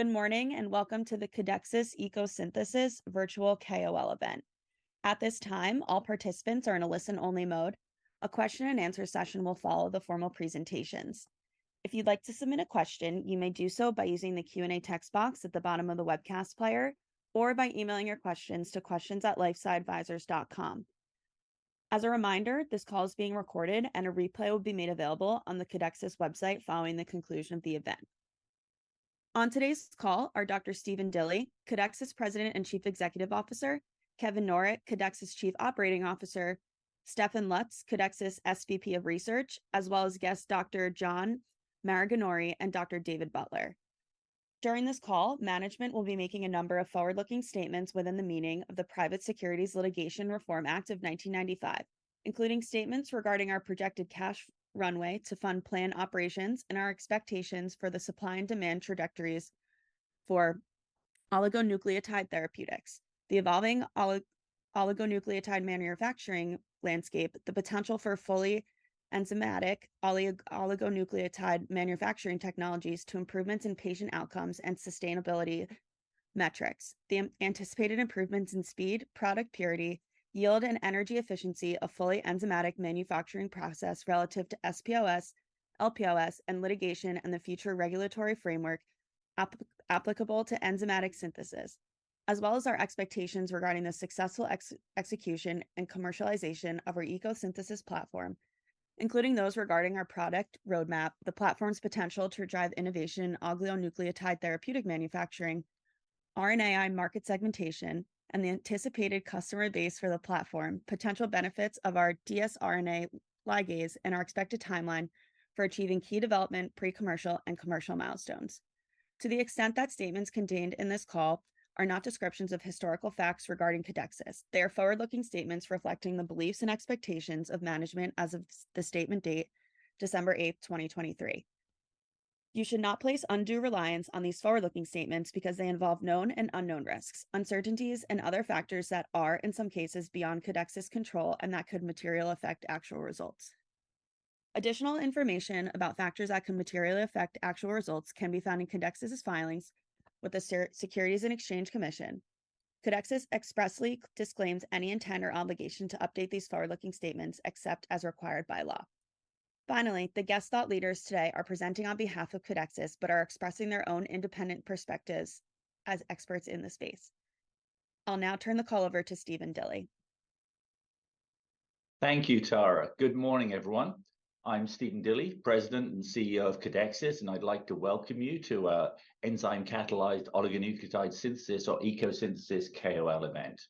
Good morning, and welcome to the Codexis ECO Synthesis Virtual KOL event. At this time, all participants are in a listen-only mode. A question and answer session will follow the formal presentations. If you'd like to submit a question, you may do so by using the Q&A text box at the bottom of the webcast player or by emailing your questions to questions@LifeSciAdvisors.com. As a reminder, this call is being recorded, and a replay will be made available on the Codexis website following the conclusion of the event. On today's call are Dr. Stephen Dilly, Codexis President and Chief Executive Officer, Kevin Norrett, Codexis Chief Operating Officer, Stefan Lutz, Codexis SVP of Research, as well as guest Dr. John Maraganore and Dr. David Butler. During this call, management will be making a number of forward-looking statements within the meaning of the Private Securities Litigation Reform Act of 1995, including statements regarding our projected cash runway to fund plan operations and our expectations for the supply and demand trajectories for oligonucleotide therapeutics, the evolving oligonucleotide manufacturing landscape, the potential for fully enzymatic oligonucleotide manufacturing technologies to improvements in patient outcomes and sustainability metrics. The anticipated improvements in speed, product purity, yield, and energy efficiency of fully enzymatic manufacturing process relative to SPOS, LPOS, and ligation, and the future regulatory framework applicable to enzymatic synthesis, as well as our expectations regarding the successful execution and commercialization of our ECO Synthesis platform, including those regarding our product roadmap, the platform's potential to drive innovation in oligonucleotide therapeutic manufacturing, RNAi market segmentation, and the anticipated customer base for the platform, potential benefits of our dsRNA ligase, and our expected timeline for achieving key development, pre-commercial, and commercial milestones. To the extent that statements contained in this call are not descriptions of historical facts regarding Codexis, they are forward-looking statements reflecting the beliefs and expectations of management as of the statement date, December 8th, 2023. You should not place undue reliance on these forward-looking statements because they involve known and unknown risks, uncertainties, and other factors that are, in some cases, beyond Codexis' control and that could materially affect actual results. Additional information about factors that could materially affect actual results can be found in Codexis' filings with the Securities and Exchange Commission. Codexis expressly disclaims any intent or obligation to update these forward-looking statements except as required by law. Finally, the guest thought leaders today are presenting on behalf of Codexis but are expressing their own independent perspectives as experts in the space. I'll now turn the call over to Stephen Dilly. Thank you, Tara. Good morning, everyone. I'm Stephen Dilly, President and CEO of Codexis, and I'd like to welcome you to our enzyme-catalyzed oligonucleotide synthesis, or Ecosynthesis, KOL event.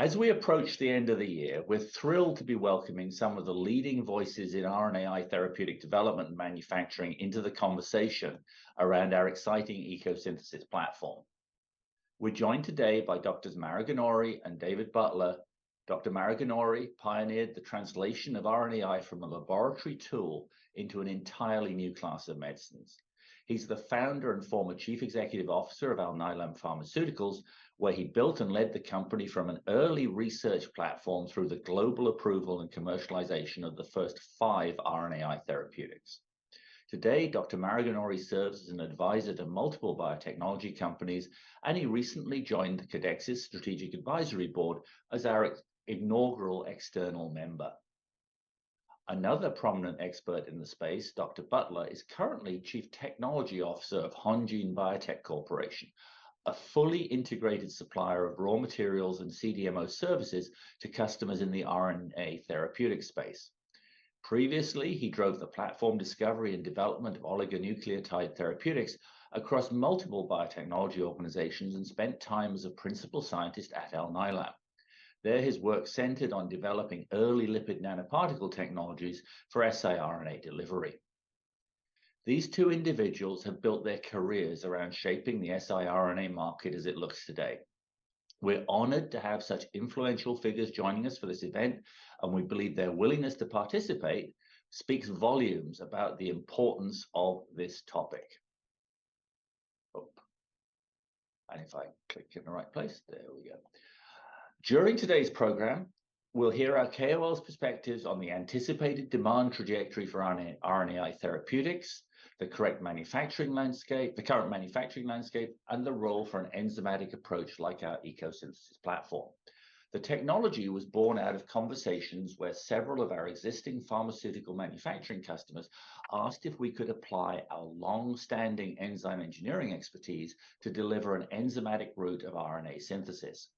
As we approach the end of the year, we're thrilled to be welcoming some of the leading voices in RNAi therapeutic development and manufacturing into the conversation around our exciting ECO Synthesis platform. We're joined today by Doctors Maraganore and David Butler. Dr. Maraganore pioneered the translation of RNAi from a laboratory tool into an entirely new class of medicines. He's the founder and former chief executive officer of Alnylam Pharmaceuticals, where he built and led the company from an early research platform through the global approval and commercialization of the first five RNAi therapeutics. Today, Dr. Maraganore serves as an advisor to multiple biotechnology companies, and he recently joined the Codexis Strategic Advisory Board as our inaugural external member. Another prominent expert in the space, Dr. Butler, is currently Chief Technology Officer of Hongene Biotech Corporation, a fully integrated supplier of raw materials and CDMO services to customers in the RNA therapeutic space. Previously, he drove the platform discovery and development of oligonucleotide therapeutics across multiple biotechnology organizations and spent time as a principal scientist at Alnylam. There, his work centered on developing early lipid nanoparticle technologies for siRNA delivery. These two individuals have built their careers around shaping the siRNA market as it looks today. We're honored to have such influential figures joining us for this event, and we believe their willingness to participate speaks volumes about the importance of this topic. Oh, and if I click in the right place. There we go. During today's program, we'll hear our KOLs' perspectives on the anticipated demand trajectory for RNAi therapeutics, the current manufacturing landscape, and the role for an enzymatic approach like our ECO Synthesis platform. The technology was born out of conversations where several of our existing pharmaceutical manufacturing customers asked if we could apply our long-standing enzyme engineering expertise to deliver an enzymatic route of RNA synthesis.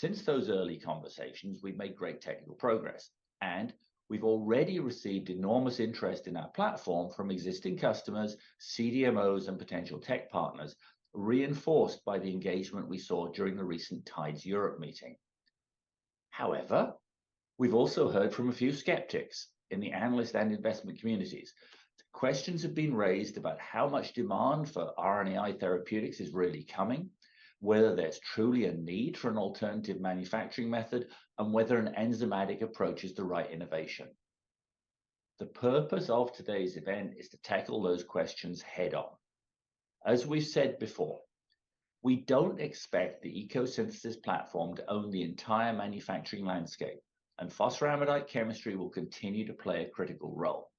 Since those early conversations, we've made great technical progress, and we've already received enormous interest in our platform from existing customers, CDMOs, and potential tech partners, reinforced by the engagement we saw during the recent TIDES Europe meeting. However, we've also heard from a few skeptics in the analyst and investment communities. Questions have been raised about how much demand for RNAi therapeutics is really coming, whether there's truly a need for an alternative manufacturing method, and whether an enzymatic approach is the right innovation. The purpose of today's event is to tackle those questions head-on. As we've said before, we don't expect the ECO Synthesis platform to own the entire manufacturing landscape, and phosphoramidite chemistry will continue to play a critical role.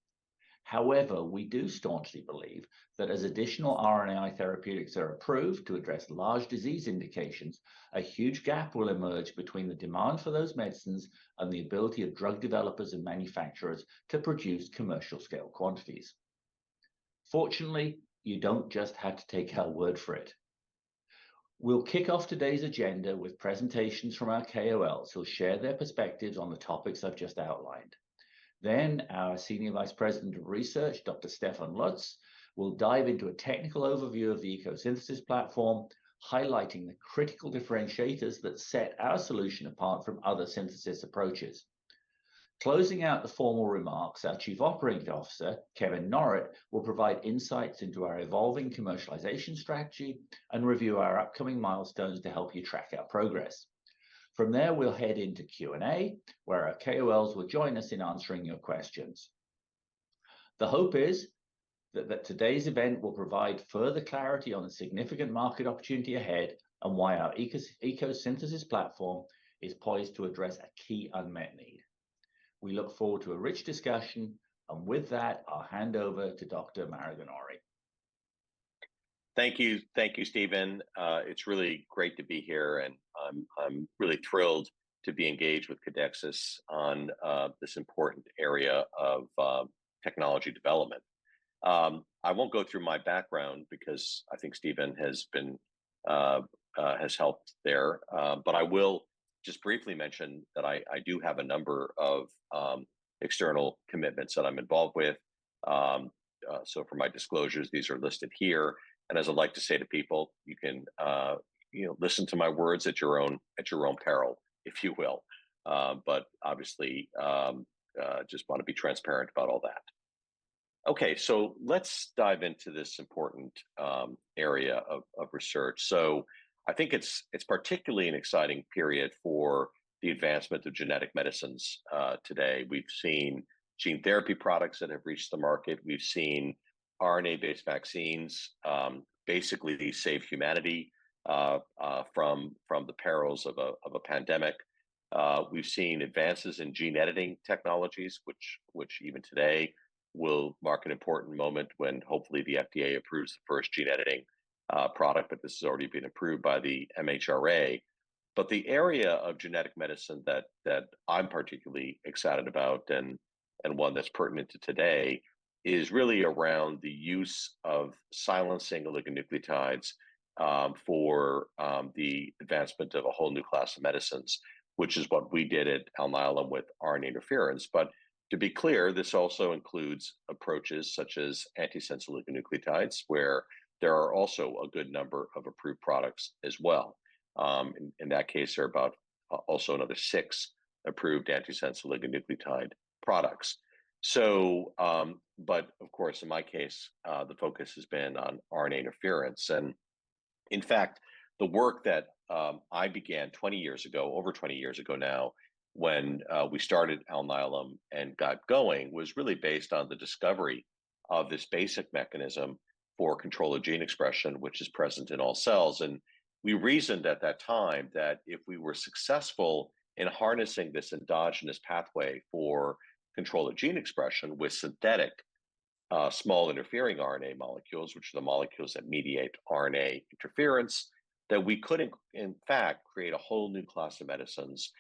However, we do staunchly believe that as additional RNAi therapeutics are approved to address large disease indications, a huge gap will emerge between the demand for those medicines and the ability of drug developers and manufacturers to produce commercial scale quantities. Fortunately, you don't just have to take our word for it. We'll kick off today's agenda with presentations from our KOLs, who'll share their perspectives on the topics I've just outlined. Then, our Senior Vice President of Research, Dr. Stefan Lutz, will dive into a technical overview of the ECO Synthesis platform, highlighting the critical differentiators that set our solution apart from other synthesis approaches. Closing out the formal remarks, our Chief Operating Officer, Kevin Norrett, will provide insights into our evolving commercialization strategy and review our upcoming milestones to help you track our progress. From there, we'll head into Q&A, where our KOLs will join us in answering your questions. The hope is that today's event will provide further clarity on the significant market opportunity ahead, and why our ECO Synthesis platform is poised to address a key unmet need. We look forward to a rich discussion, and with that, I'll hand over to Dr. Maraganore. Thank you. Thank you, Stephen. It's really great to be here, and I'm, I'm really thrilled to be engaged with Codexis on this important area of technology development. I won't go through my background because I think Stephen has helped there. But I will just briefly mention that I, I do have a number of external commitments that I'm involved with. So for my disclosures, these are listed here, and as I like to say to people, you can, you know, listen to my words at your own, at your own peril, if you will. But obviously, just want to be transparent about all that. Okay, so let's dive into this important area of research. So I think it's, it's particularly an exciting period for the advancement of genetic medicines today. We've seen gene therapy products that have reached the market. We've seen RNA-based vaccines, basically these save humanity from the perils of a pandemic. We've seen advances in gene editing technologies, which even today will mark an important moment when hopefully the FDA approves the first gene editing product, but this has already been approved by the MHRA. But the area of genetic medicine that I'm particularly excited about, and one that's pertinent to today, is really around the use of silencing oligonucleotides for the advancement of a whole new class of medicines, which is what we did at Alnylam with RNA interference. But to be clear, this also includes approaches such as antisense oligonucleotides, where there are also a good number of approved products as well. In that case, there are about also another six approved antisense oligonucleotide products. So, but of course, in my case, the focus has been on RNA interference, and in fact, the work that I began 20 years ago, over 20 years ago now, when we started Alnylam and got going, was really based on the discovery of this basic mechanism for control of gene expression, which is present in all cells. We reasoned at that time that if we were successful in harnessing this endogenous pathway for control of gene expression with synthetic small interfering RNA molecules, which are the molecules that mediate RNA interference, that we could, in fact, create a whole new class of medicines,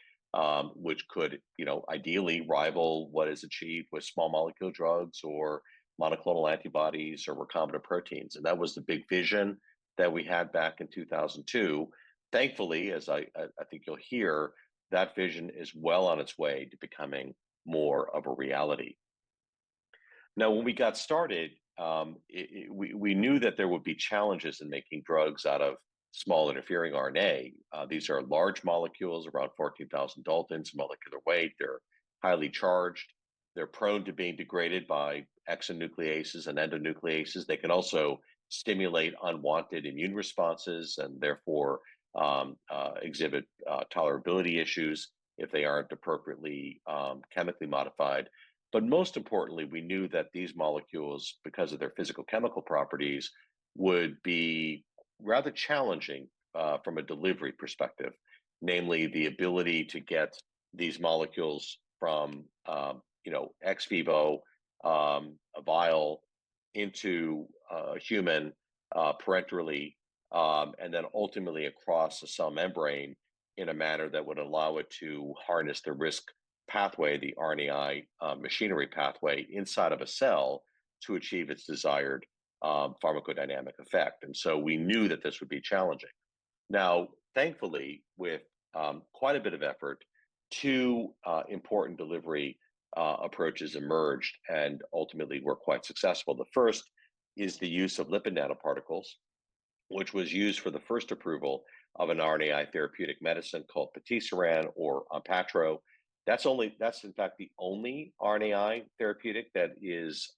which could, you know, ideally rival what is achieved with small molecule drugs or monoclonal antibodies or recombinant proteins, and that was the big vision that we had back in 2002. Thankfully, as I think you'll hear, that vision is well on its way to becoming more of a reality. Now, when we got started, we knew that there would be challenges in making drugs out of small interfering RNA. These are large molecules, around 14,000 daltons molecular weight. They're highly charged. They're prone to being degraded by exonucleases and endonucleases. They can also stimulate unwanted immune responses, and therefore, exhibit tolerability issues if they aren't appropriately, chemically modified. But most importantly, we knew that these molecules, because of their physical chemical properties, would be rather challenging, from a delivery perspective. Namely, the ability to get these molecules from, you know, ex vivo, a vial into a human, parenterally, and then ultimately across the cell membrane in a manner that would allow it to harness the RISC pathway, the RNAi machinery pathway, inside of a cell to achieve its desired pharmacodynamic effect, and so we knew that this would be challenging. Now, thankfully, with quite a bit of effort, two important delivery approaches emerged and ultimately were quite successful. The first is the use of lipid nanoparticles, which was used for the first approval of an RNAi therapeutic medicine called patisiran or ONPATTRO. That's in fact the only RNAi therapeutic that is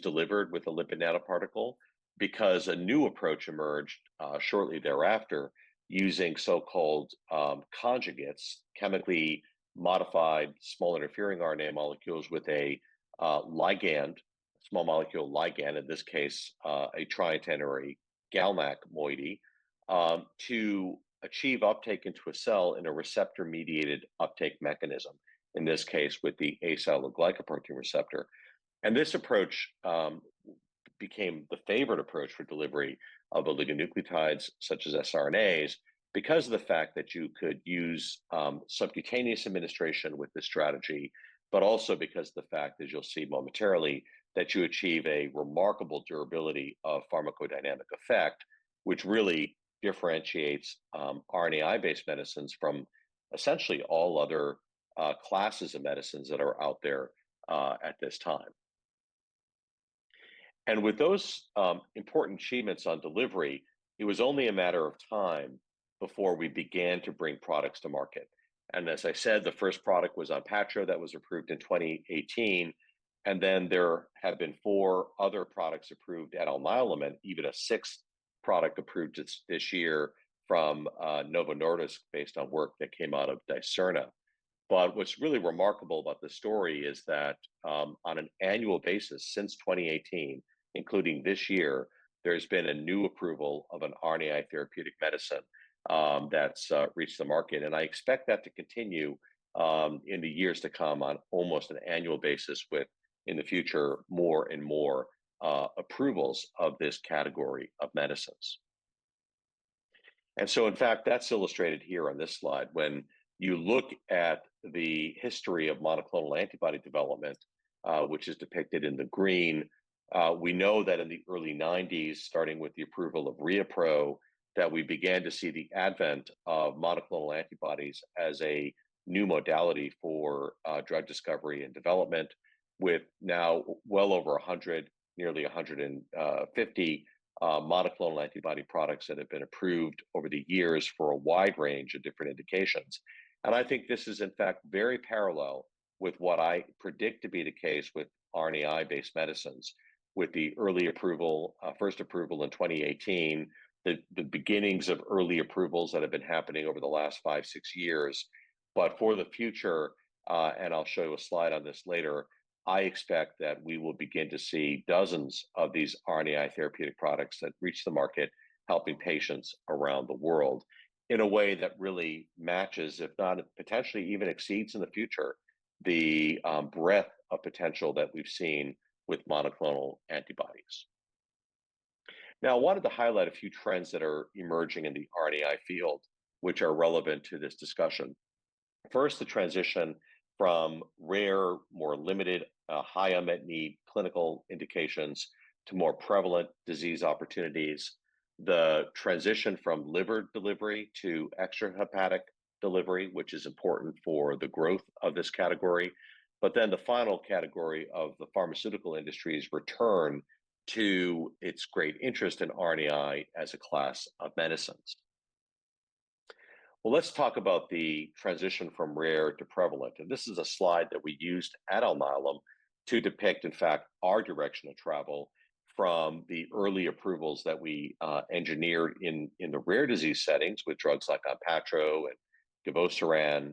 delivered with a lipid nanoparticle, because a new approach emerged shortly thereafter, using so-called conjugates, chemically modified small interfering RNA molecules with a ligand, small molecule ligand, in this case a triantennary GalNAc moiety, to achieve uptake into a cell in a receptor-mediated uptake mechanism, in this case, with the asialoglycoprotein receptor. This approach became the favorite approach for delivery of oligonucleotides, such as siRNAs, because of the fact that you could use subcutaneous administration with this strategy, but also because the fact, as you'll see momentarily, that you achieve a remarkable durability of pharmacodynamic effect, which really differentiates RNAi-based medicines from essentially all other classes of medicines that are out there at this time. With those important achievements on delivery, it was only a matter of time before we began to bring products to market. As I said, the first product was ONPATTRO, that was approved in 2018, and then there have been four other products approved at Alnylam and even a sixth product approved this year from Novo Nordisk, based on work that came out of Dicerna. But what's really remarkable about this story is that, on an annual basis since 2018, including this year, there's been a new approval of an RNAi therapeutic medicine, that's reached the market. And I expect that to continue, in the years to come on almost an annual basis, with, in the future, more and more, approvals of this category of medicines. And so, in fact, that's illustrated here on this slide. When you look at the history of monoclonal antibody development, which is depicted in the green, we know that in the early 1990s, starting with the approval of ReoPro, that we began to see the advent of monoclonal antibodies as a new modality for drug discovery and development, with now well over 100, nearly 150 monoclonal antibody products that have been approved over the years for a wide range of different indications. I think this is, in fact, very parallel with what I predict to be the case with RNAi-based medicines, with the early approval, first approval in 2018, the beginnings of early approvals that have been happening over the last five, six years. But for the future, and I'll show you a slide on this later, I expect that we will begin to see dozens of these RNAi therapeutic products that reach the market, helping patients around the world in a way that really matches, if not potentially even exceeds in the future, the breadth of potential that we've seen with monoclonal antibodies. Now, I wanted to highlight a few trends that are emerging in the RNAi field, which are relevant to this discussion. First, the transition from rare, more limited high unmet need clinical indications to more prevalent disease opportunities, the transition from liver delivery to extrahepatic delivery, which is important for the growth of this category, but then the final category of the pharmaceutical industry's return to its great interest in RNAi as a class of medicines. Well, let's talk about the transition from rare to prevalent, and this is a slide that we used at Alnylam to depict, in fact, our direction of travel from the early approvals that we engineered in the rare disease settings with drugs like ONPATTRO and givosiran,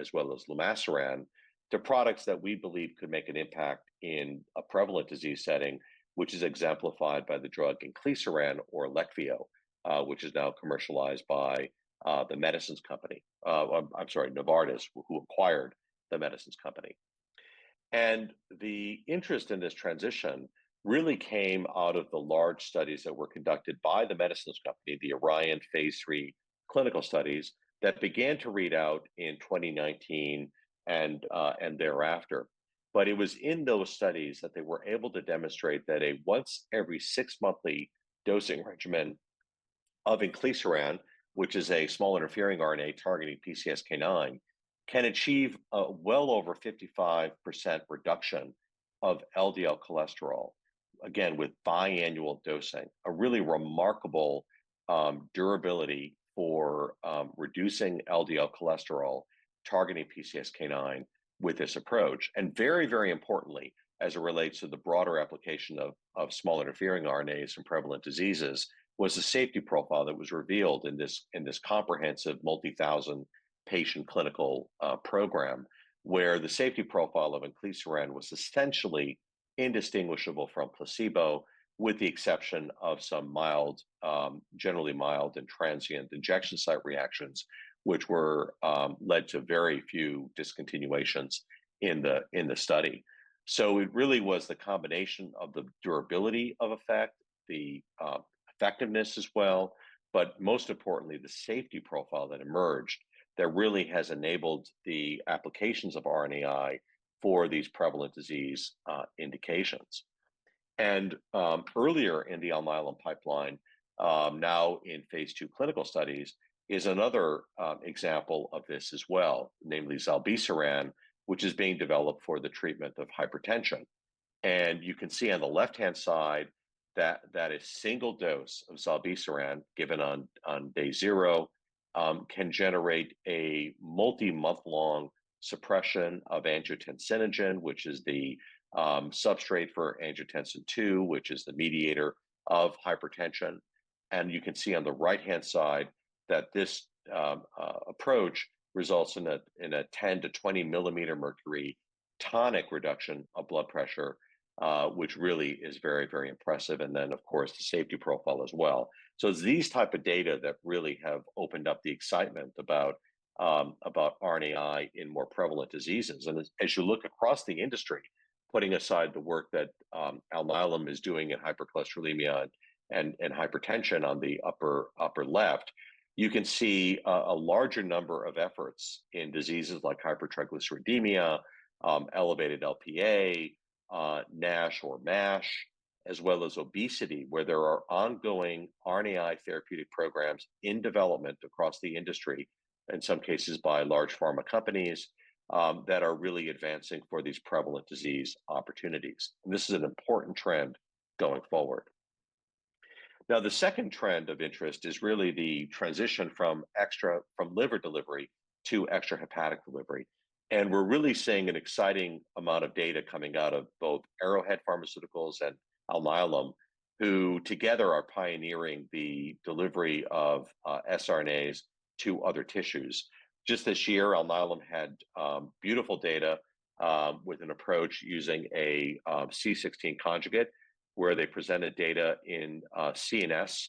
as well as lumasiran, to products that we believe could make an impact in a prevalent disease setting, which is exemplified by the drug inclisiran or Leqvio, which is now commercialized by Novartis, who acquired The Medicines Company. And the interest in this transition really came out of the large studies that were conducted by The Medicines Company, the ORION phase III clinical studies, that began to read out in 2019 and thereafter. But it was in those studies that they were able to demonstrate that a once every six monthly dosing regimen of inclisiran, which is a small interfering RNA targeting PCSK9, can achieve a well over 55% reduction of LDL cholesterol, again, with biannual dosing. A really remarkable, durability for, reducing LDL cholesterol, targeting PCSK9 with this approach. And very, very importantly, as it relates to the broader application of, of small interfering RNAs in prevalent diseases, was the safety profile that was revealed in this, in this comprehensive multi-thousand patient clinical, program, where the safety profile of inclisiran was essentially indistinguishable from placebo, with the exception of some mild, generally mild and transient injection site reactions, which were led to very few discontinuations in the, in the study. So it really was the combination of the durability of effect, the, effectiveness as well, but most importantly, the safety profile that emerged, that really has enabled the applications of RNAi for these prevalent disease indications. Earlier in the Alnylam pipeline, now in phase II clinical studies, is another example of this as well, namely zilebesiran, which is being developed for the treatment of hypertension. And you can see on the left-hand side that a single dose of zilebesiran, given on day zero, can generate a multi-month-long suppression of angiotensinogen, which is the substrate for angiotensin II, which is the mediator of hypertension. And you can see on the right-hand side that this approach results in a 10 to 20 millimeter mercury systolic reduction of blood pressure, which really is very, very impressive, and then of course, the safety profile as well. So it's these type of data that really have opened up the excitement about RNAi in more prevalent diseases. And as you look across the industry, putting aside the work that Alnylam is doing in hypercholesterolemia and hypertension on the upper left, you can see a larger number of efforts in diseases like hypertriglyceridemia, elevated LPA, NASH or MASH, as well as obesity, where there are ongoing RNAi therapeutic programs in development across the industry, in some cases by large pharma companies, that are really advancing for these prevalent disease opportunities. This is an important trend going forward. Now, the second trend of interest is really the transition from liver delivery to extrahepatic delivery. And we're really seeing an exciting amount of data coming out of both Arrowhead Pharmaceuticals and Alnylam, who together are pioneering the delivery of siRNAs to other tissues. Just this year, Alnylam had beautiful data with an approach using a C16 conjugate, where they presented data in CNS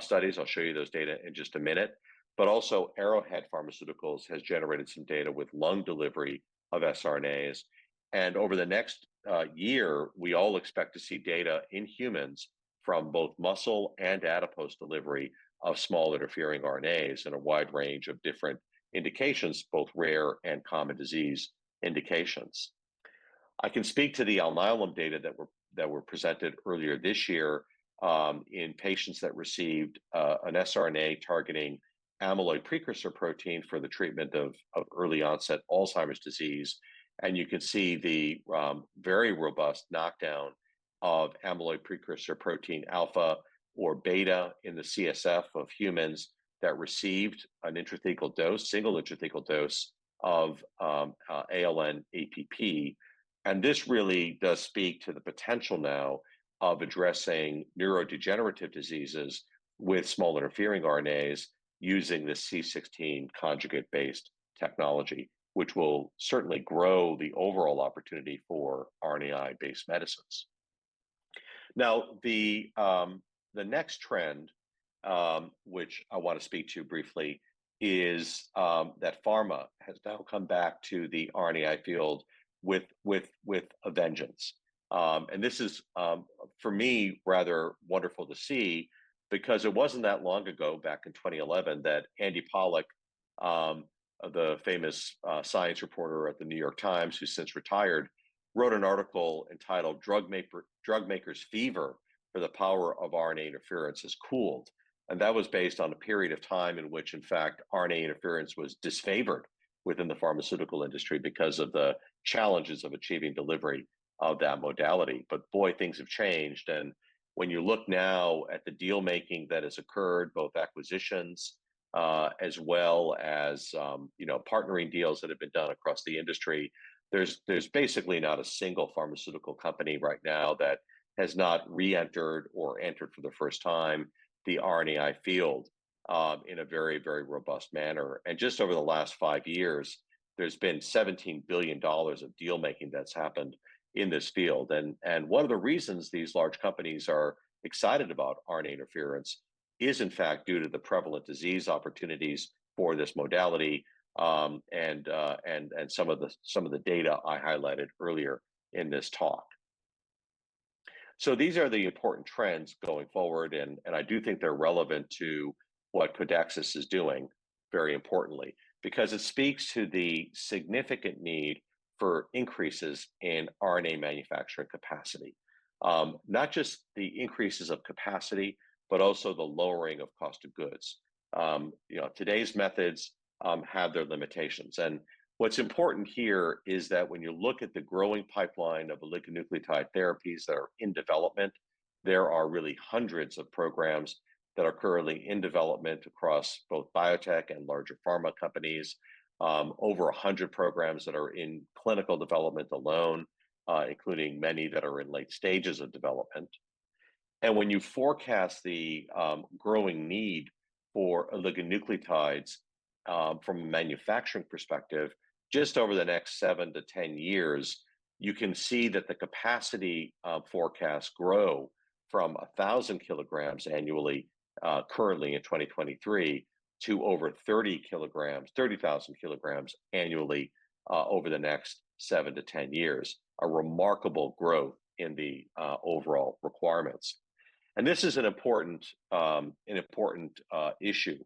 studies. I'll show you those data in just a minute. But also, Arrowhead Pharmaceuticals has generated some data with lung delivery of siRNAs, and over the next year, we all expect to see data in humans from both muscle and adipose delivery of small interfering RNAs in a wide range of different indications, both rare and common disease indications. I can speak to the Alnylam data that were presented earlier this year in patients that received an siRNA targeting amyloid precursor protein for the treatment of early-onset Alzheimer's disease, and you can see the very robust knockdown of amyloid precursor protein alpha or beta in the CSF of humans that received an intrathecal dose, single intrathecal dose of ALN-APP. And this really does speak to the potential now of addressing neurodegenerative diseases with small interfering RNAs using this C16 conjugate-based technology, which will certainly grow the overall opportunity for RNAi-based medicines. Now, the next trend, which I want to speak to briefly, is that pharma has now come back to the RNAi field with a vengeance. This is, for me, rather wonderful to see, because it wasn't that long ago, back in 2011, that Andy Pollack, the famous, science reporter at The New York Times, who's since retired, wrote an article entitled "Drugmakers' Fever for the Power of RNA Interference Has Cooled." And that was based on a period of time in which, in fact, RNA interference was disfavored within the pharmaceutical industry because of the challenges of achieving delivery of that modality. But boy, things have changed, and when you look now at the deal-making that has occurred, both acquisitions, as well as, you know, partnering deals that have been done across the industry, there's, there's basically not a single pharmaceutical company right now that has not reentered or entered for the first time, the RNAi field, in a very, very robust manner. And just over the last five years, there's been $17 billion of deal making that's happened in this field. And one of the reasons these large companies are excited about RNA interference is, in fact, due to the prevalent disease opportunities for this modality, and some of the data I highlighted earlier in this talk. So these are the important trends going forward, and I do think they're relevant to what Codexis is doing, very importantly, because it speaks to the significant need for increases in RNA manufacturing capacity. Not just the increases of capacity, but also the lowering of cost of goods. You know, today's methods have their limitations. What's important here is that when you look at the growing pipeline of oligonucleotide therapies that are in development, there are really hundreds of programs that are currently in development across both biotech and larger pharma companies. Over 100 programs that are in clinical development alone, including many that are in late stages of development. When you forecast the growing need for oligonucleotides, from a manufacturing perspective, just over the next seven to 10 years, you can see that the capacity forecasts grow from 1,000 kg annually, currently in 2023, to over 30 kg, 30,000 kg annually, over the next seven to 10 years, a remarkable growth in the overall requirements. This is an important, an important issue.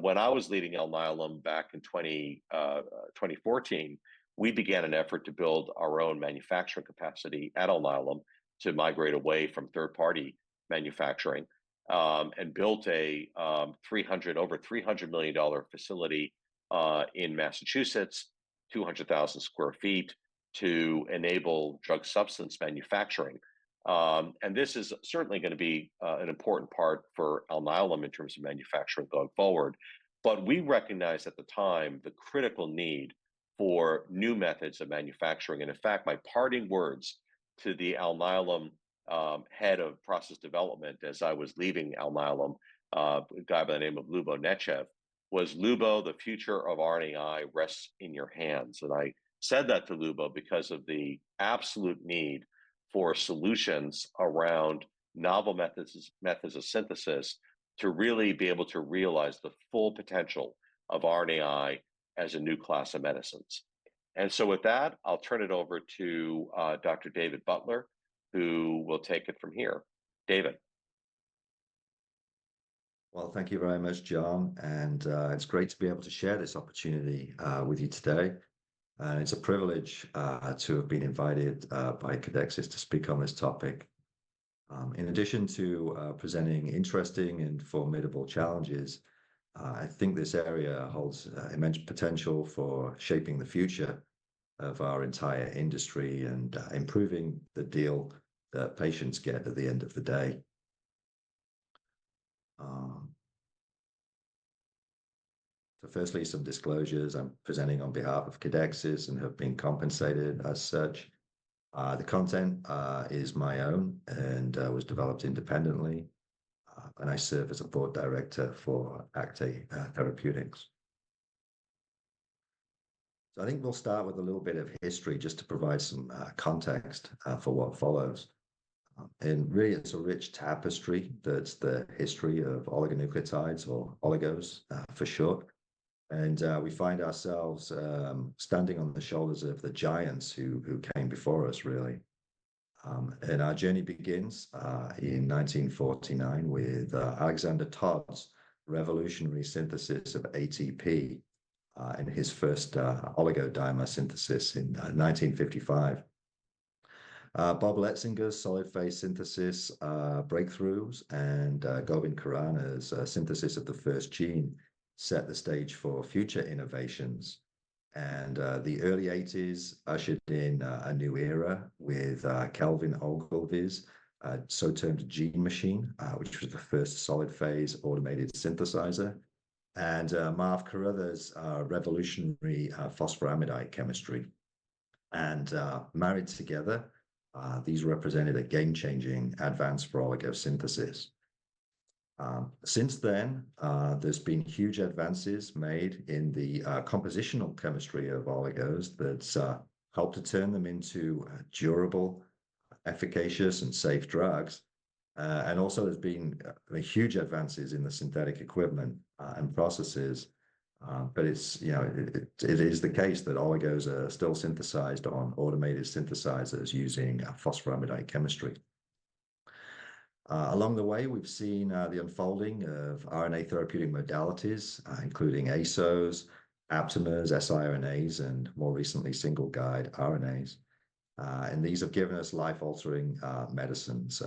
When I was leading Alnylam back in 2014, we began an effort to build our own manufacturing capacity at Alnylam to migrate away from third-party manufacturing, and built a over $300 million facility in Massachusetts, 200,000 sq ft, to enable drug substance manufacturing. And this is certainly going to be an important part for Alnylam in terms of manufacturing going forward. But we recognized at the time the critical need for new methods of manufacturing. And in fact, my parting words to the Alnylam head of process development as I was leaving Alnylam, a guy by the name of Lubo Nechev, was, "Lubo, the future of RNAi rests in your hands." And I said that to Lubo because of the absolute need for solutions around novel methods, methods of synthesis to really be able to realize the full potential of RNAi as a new class of medicines. And so with that, I'll turn it over to Dr. David Butler, who will take it from here. David? Well, thank you very much, John, and it's great to be able to share this opportunity with you today. It's a privilege to have been invited by Codexis to speak on this topic. In addition to presenting interesting and formidable challenges, I think this area holds immense potential for shaping the future of our entire industry and improving the deal that patients get at the end of the day. So firstly, some disclosures. I'm presenting on behalf of Codexis and have been compensated as such. The content is my own and was developed independently, and I serve as a board director for Aimmune Therapeutics. So I think we'll start with a little bit of history just to provide some context for what follows. Really, it's a rich tapestry that's the history of oligonucleotides or oligos for short, and we find ourselves standing on the shoulders of the giants who came before us, really. Our journey begins in 1949 with Alexander Todd's revolutionary synthesis of ATP and his first oligodimer synthesis in 1955. Bob Letsinger's solid-phase synthesis breakthroughs and Govind Khorana's synthesis of the first gene set the stage for future innovations. The early 1980s ushered in a new era with Kelvin Ogilvie's so-called gene machine, which was the first solid-phase automated synthesizer, and Marv Caruthers' revolutionary phosphoramidite chemistry. Married together, these represented a game-changing advance for oligo synthesis. Since then, there's been huge advances made in the compositional chemistry of oligos that's helped to turn them into durable, efficacious, and safe drugs. And also, there's been huge advances in the synthetic equipment and processes, but it's, you know, it is the case that oligos are still synthesized on automated synthesizers using phosphoramidite chemistry. Along the way, we've seen the unfolding of RNA therapeutic modalities, including ASOs, aptamers, siRNAs, and more recently, single-guide RNAs. And these have given us life-altering medicines.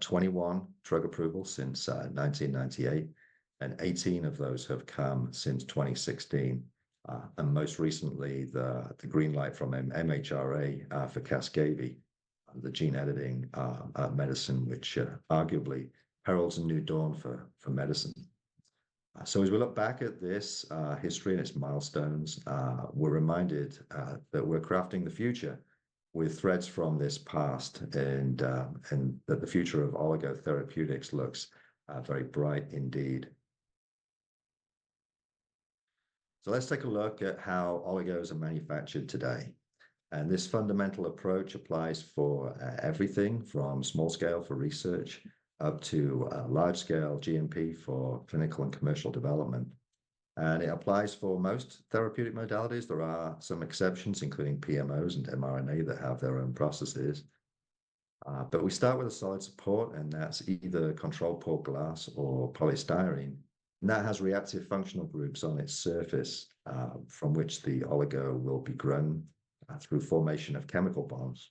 21 drug approvals since 1998, and 18 of those have come since 2016. And most recently, the green light from MHRA for Casgevy, the gene-editing medicine, which arguably heralds a new dawn for medicine. So as we look back at this history and its milestones, we're reminded that we're crafting the future with threads from this past and that the future of oligo therapeutics looks very bright indeed. So let's take a look at how oligos are manufactured today, and this fundamental approach applies for everything from small scale for research up to large-scale GMP for clinical and commercial development, and it applies for most therapeutic modalities. There are some exceptions, including PMOs and mRNA, that have their own processes. But we start with a solid support, and that's either controlled-pore glass or polystyrene, and that has reactive functional groups on its surface from which the oligo will be grown through formation of chemical bonds.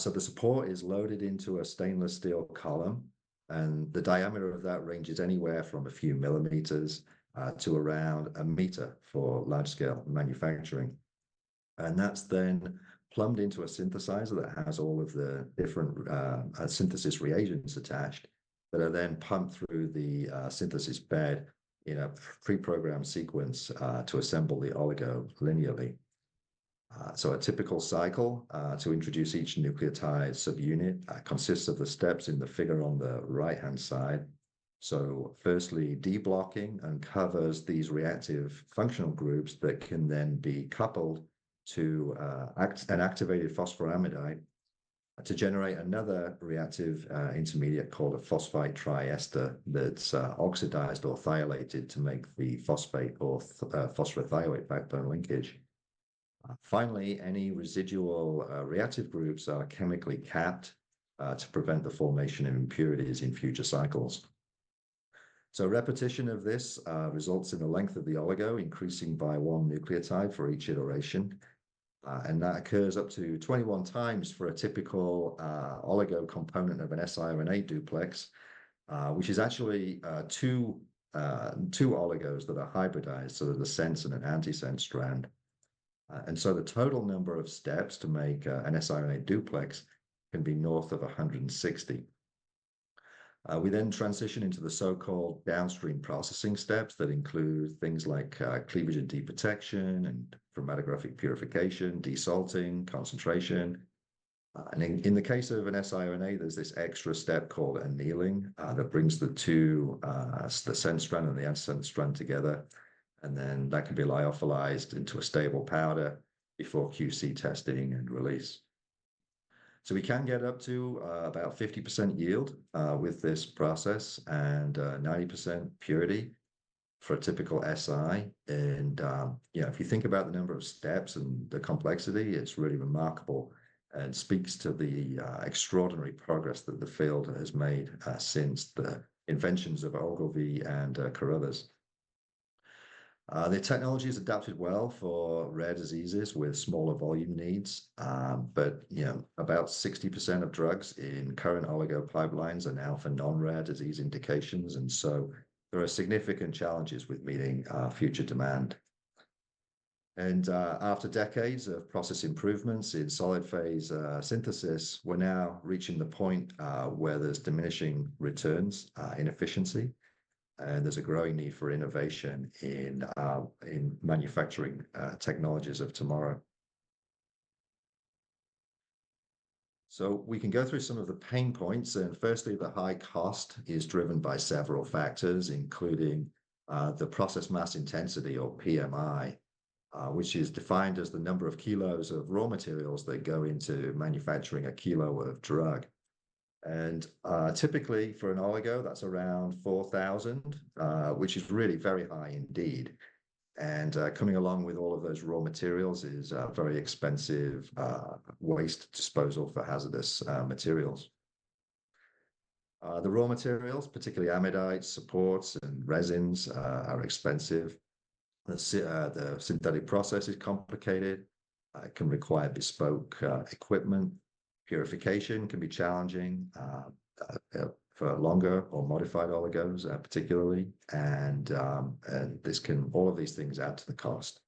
So the support is loaded into a stainless steel column, and the diameter of that ranges anywhere from a few millimeters to around a meter for large-scale manufacturing. And that's then plumbed into a synthesizer that has all of the different synthesis reagents attached, that are then pumped through the synthesis bed in a pre-programmed sequence to assemble the oligo linearly. So a typical cycle to introduce each nucleotide subunit consists of the steps in the figure on the right-hand side. So firstly, deblocking uncovers these reactive functional groups that can then be coupled to an activated phosphoramidite to generate another reactive intermediate called a phosphite triester, that's oxidized or thiolated to make the phosphate or phosphorothioate backbone linkage. Finally, any residual reactive groups are chemically capped to prevent the formation of impurities in future cycles. So repetition of this results in the length of the oligo increasing by one nucleotide for each iteration, and that occurs up to 21x for a typical oligo component of an siRNA duplex, which is actually two oligos that are hybridized, so there's a sense and an antisense strand. And so the total number of steps to make an siRNA duplex can be north of 160. We then transition into the so-called downstream processing steps that include things like cleavage and deprotection, and chromatographic purification, desalting, concentration. And in the case of an siRNA, there's this extra step called annealing that brings the two the sense strand and the antisense strand together, and then that can be lyophilized into a stable powder before QC testing and release. So we can get up to about 50% yield with this process, and 90% purity for a typical si. And yeah, if you think about the number of steps and the complexity, it's really remarkable and speaks to the extraordinary progress that the field has made since the inventions of Ogilvie and Caruthers. The technology has adapted well for rare diseases with smaller volume needs. But you know, about 60% of drugs in current oligo pipelines are now for non-rare disease indications, and so there are significant challenges with meeting future demand. After decades of process improvements in solid-phase synthesis, we're now reaching the point where there's diminishing returns in efficiency, and there's a growing need for innovation in manufacturing technologies of tomorrow. So we can go through some of the pain points, and firstly, the high cost is driven by several factors, including the process mass intensity, or PMI, which is defined as the number of kilos of raw materials that go into manufacturing a kilo of drug. Typically, for an oligo, that's around 4,000, which is really very high indeed. Coming along with all of those raw materials is very expensive waste disposal for hazardous materials. The raw materials, particularly amidites, supports, and resins, are expensive. The synthetic process is complicated, it can require bespoke equipment. Purification can be challenging for longer or modified oligos, particularly, and this can all of these things add to the cost.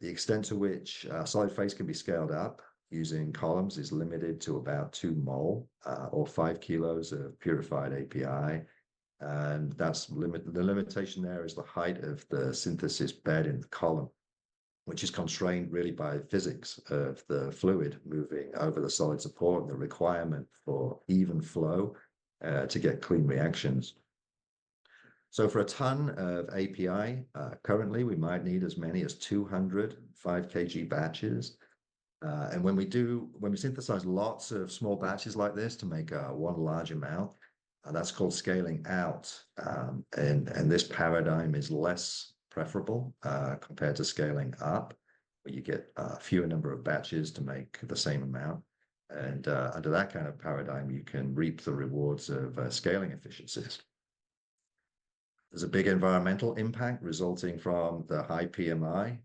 The extent to which solid phase can be scaled up using columns is limited to about 2 mol or 5 kg of purified API, and that's the limitation there is the height of the synthesis bed in the column, which is constrained really by the physics of the fluid moving over the solid support and the requirement for even flow to get clean reactions. So for a ton of API, currently, we might need as many as 205 kg batches. When we do, when we synthesize lots of small batches like this to make one large amount, that's called scaling out. This paradigm is less preferable compared to scaling up, where you get a fewer number of batches to make the same amount, and under that kind of paradigm, you can reap the rewards of scaling efficiencies. There's a big environmental impact resulting from the high PMI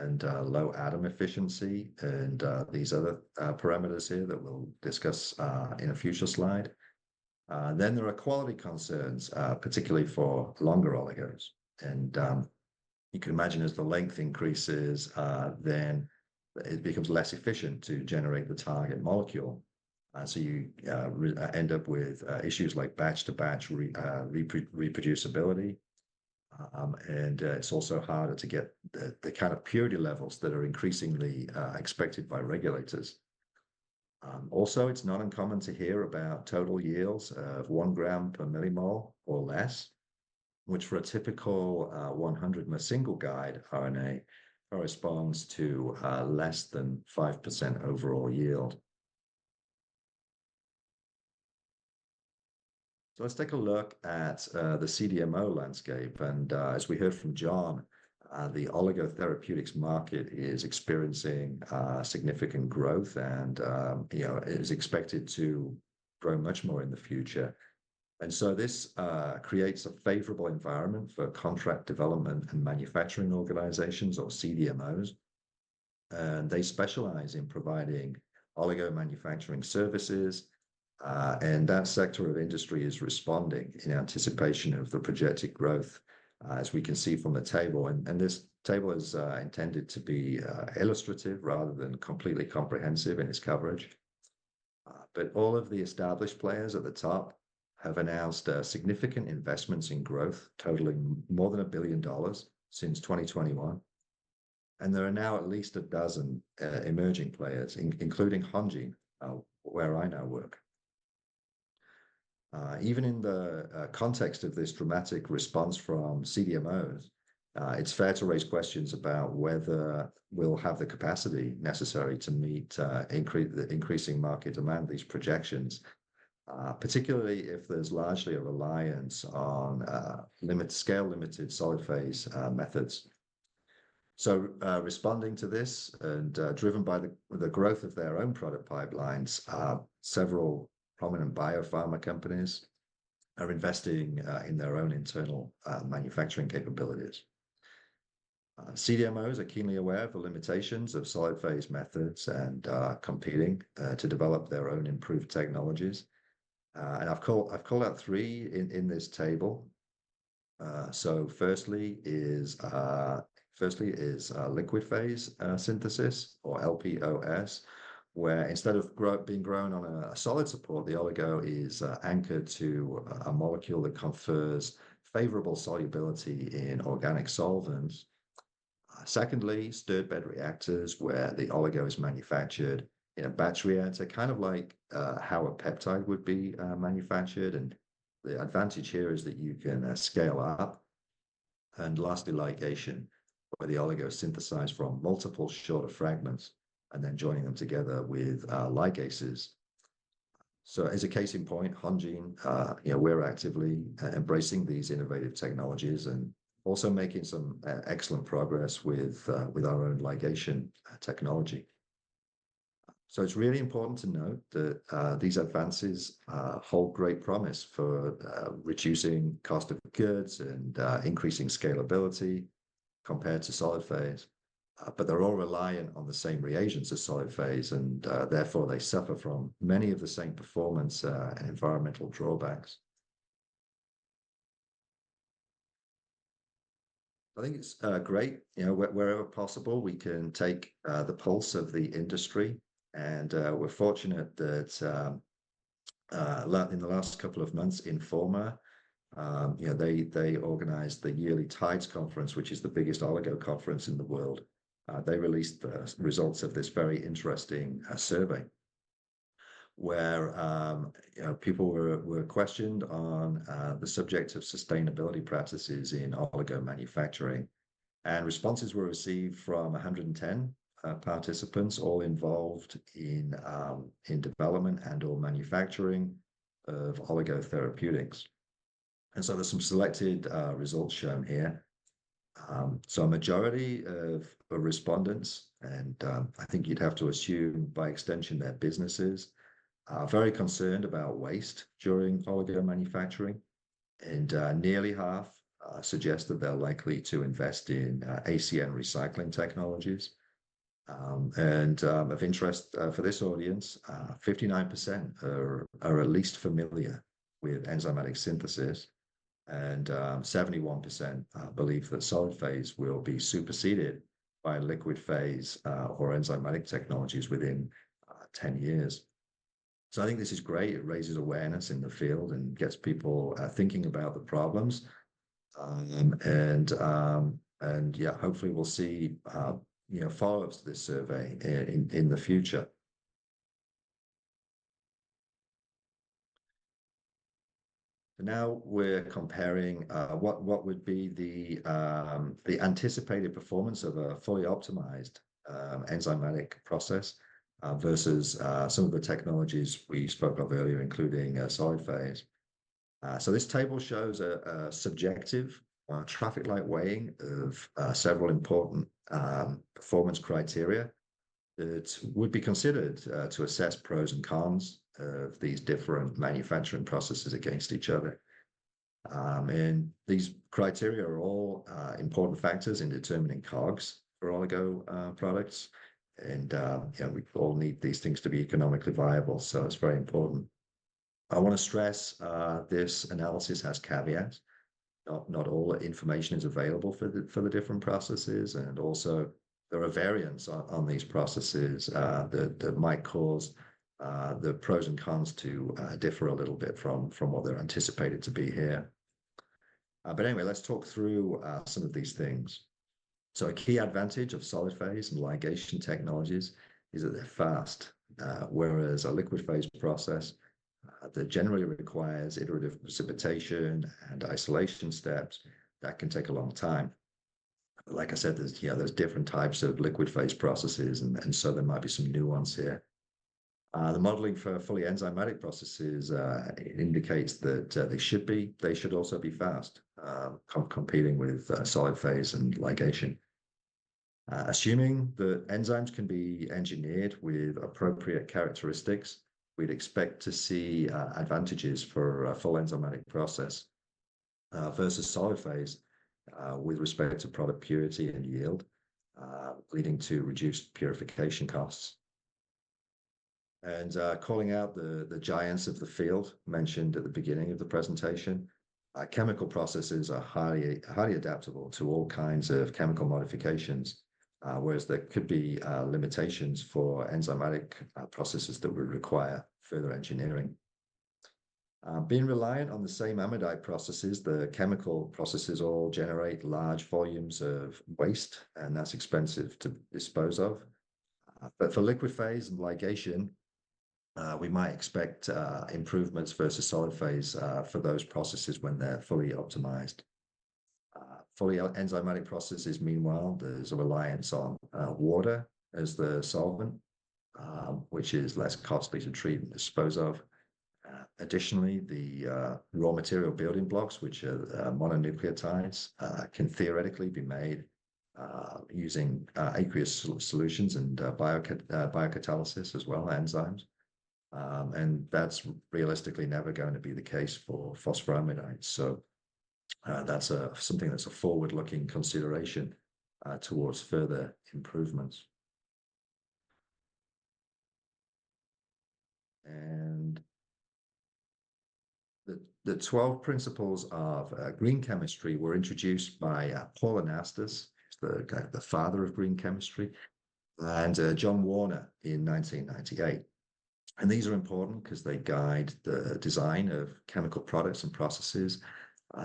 and low atom efficiency, and these other parameters here that we'll discuss in a future slide. Then there are quality concerns, particularly for longer oligos, and you can imagine as the length increases, then it becomes less efficient to generate the target molecule. So you end up with issues like batch-to-batch reproducibility, and it's also harder to get the kind of purity levels that are increasingly expected by regulators. Also, it's not uncommon to hear about total yields of one gram per millimole or less, which for a typical 100-mer single guide RNA, corresponds to less than 5% overall yield. So let's take a look at the CDMO landscape, and as we heard from John, the oligo therapeutics market is experiencing significant growth and, you know, is expected to grow much more in the future. And so this creates a favorable environment for contract development and manufacturing organizations, or CDMOs, and they specialize in providing oligo manufacturing services, and that sector of industry is responding in anticipation of the projected growth, as we can see from the table. This table is intended to be illustrative rather than completely comprehensive in its coverage. But all of the established players at the top have announced significant investments in growth, totaling more than $1 billion since 2021, and there are now at least a dozen emerging players, including Hanjin, where I now work. Even in the context of this dramatic response from CDMOs, it's fair to raise questions about whether we'll have the capacity necessary to meet the increasing market demand, these projections, particularly if there's largely a reliance on scale-limited solid-phase methods. So, responding to this and driven by the growth of their own product pipelines, several prominent biopharma companies are investing in their own internal manufacturing capabilities. CDMOs are keenly aware of the limitations of solid-phase methods and are competing to develop their own improved technologies. And I've called out three in this table. So firstly, liquid phase synthesis, or LPOS, where instead of being grown on a solid support, the oligo is anchored to a molecule that confers favorable solubility in organic solvents. Secondly, stirred-bed reactors, where the oligo is manufactured in a batch reactor, kind of like how a peptide would be manufactured, and the advantage here is that you can scale up. And lastly, ligation, where the oligo is synthesized from multiple shorter fragments, and then joining them together with ligases. So as a case in point, Hongene, you know, we're actively embracing these innovative technologies and also making some excellent progress with our own ligation technology. So it's really important to note that, these advances, hold great promise for, reducing cost of goods and, increasing scalability compared to solid phase. But they're all reliant on the same reagents as solid phase, and, therefore, they suffer from many of the same performance, and environmental drawbacks. I think it's great. You know, wherever possible, we can take, the pulse of the industry, and, we're fortunate that, in the last couple of months, Informa, you know, they, they organized the yearly TIDES conference, which is the biggest oligo conference in the world. They released the results of this very interesting survey, where, you know, people were questioned on the subject of sustainability practices in oligo manufacturing, and responses were received from 110 participants, all involved in development and/or manufacturing of oligo therapeutics. And so there's some selected results shown here. So a majority of respondents, and I think you'd have to assume, by extension, their businesses, are very concerned about waste during oligo manufacturing, and nearly half suggest that they're likely to invest in ACN recycling technologies. And of interest for this audience, 59% are at least familiar with enzymatic synthesis, and 71% believe that solid phase will be superseded by liquid phase or enzymatic technologies within 10 years. So I think this is great. It raises awareness in the field and gets people thinking about the problems. And yeah, hopefully we'll see you know, follow-ups to this survey in the future. So now we're comparing what would be the anticipated performance of a fully optimized enzymatic process versus some of the technologies we spoke of earlier, including solid phase. So this table shows a subjective traffic light weighing of several important performance criteria that would be considered to assess pros and cons of these different manufacturing processes against each other. And these criteria are all important factors in determining COGS for oligo products, and you know, we all need these things to be economically viable, so it's very important. I want to stress, this analysis has caveats. Not, not all the information is available for the, for the different processes, and also there are variants on, on these processes, that, that might cause, the pros and cons to, differ a little bit from, from what they're anticipated to be here. But anyway, let's talk through, some of these things. So a key advantage of solid phase and ligation technologies is that they're fast, whereas a liquid phase process, that generally requires iterative precipitation and isolation steps, that can take a long time. Like I said, there's, you know, there's different types of liquid phase processes, and, and so there might be some nuance here. The modeling for fully enzymatic processes indicates that they should be, they should also be fast, competing with solid phase and ligation. Assuming that enzymes can be engineered with appropriate characteristics, we'd expect to see advantages for a full enzymatic process versus solid phase with respect to product purity and yield, leading to reduced purification costs. Calling out the giants of the field mentioned at the beginning of the presentation, chemical processes are highly, highly adaptable to all kinds of chemical modifications, whereas there could be limitations for enzymatic processes that would require further engineering. Being reliant on the same amidite processes, the chemical processes all generate large volumes of waste, and that's expensive to dispose of. But for liquid phase and ligation, we might expect improvements versus solid phase for those processes when they're fully optimized. Fully enzymatic processes, meanwhile, there's a reliance on water as the solvent, which is less costly to treat and dispose of. Additionally, the raw material building blocks, which are mononucleotides, can theoretically be made using aqueous solutions and biocatalysis as well, enzymes. And that's realistically never going to be the case for phosphoramidites, so that's something that's a forward-looking consideration towards further improvements. The 12 principles of green chemistry were introduced by Paul Anastas, who's kind of the father of green chemistry, and John Warner in 1998. These are important 'cause they guide the design of chemical products and processes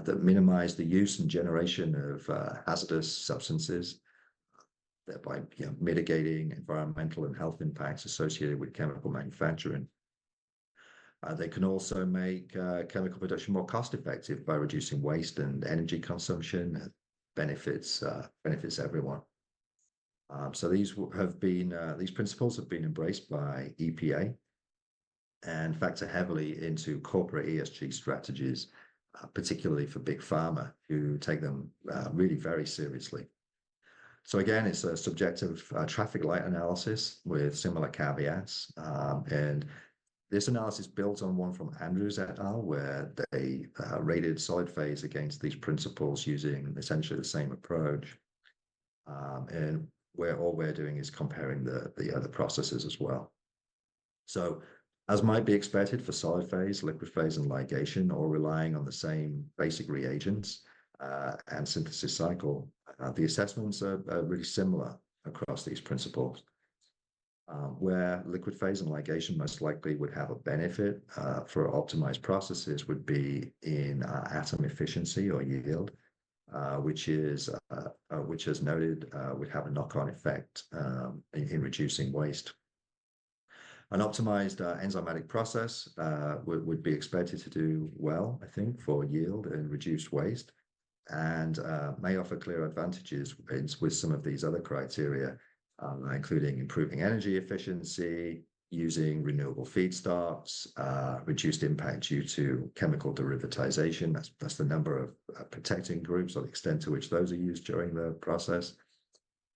that minimize the use and generation of hazardous substances, thereby, you know, mitigating environmental and health impacts associated with chemical manufacturing. They can also make chemical production more cost-effective by reducing waste and energy consumption, benefits everyone. So these principles have been embraced by EPA and factor heavily into corporate ESG strategies, particularly for big pharma, who take them really very seriously. So again, it's a subjective traffic light analysis with similar caveats. And this analysis builds on one from Andrews et al., where they rated solid-phase against these principles using essentially the same approach. And where all we're doing is comparing the other processes as well. So as might be expected for solid phase, liquid phase, and ligation, all relying on the same basic reagents and synthesis cycle, the assessments are really similar across these principles. Where liquid phase and ligation most likely would have a benefit for optimized processes would be in atom efficiency or yield, which as noted would have a knock-on effect in reducing waste. An optimized enzymatic process would be expected to do well, I think, for yield and reduced waste, and may offer clear advantages in with some of these other criteria, including improving energy efficiency, using renewable feedstocks, reduced impact due to chemical derivatization. That's the number of protecting groups or the extent to which those are used during the process.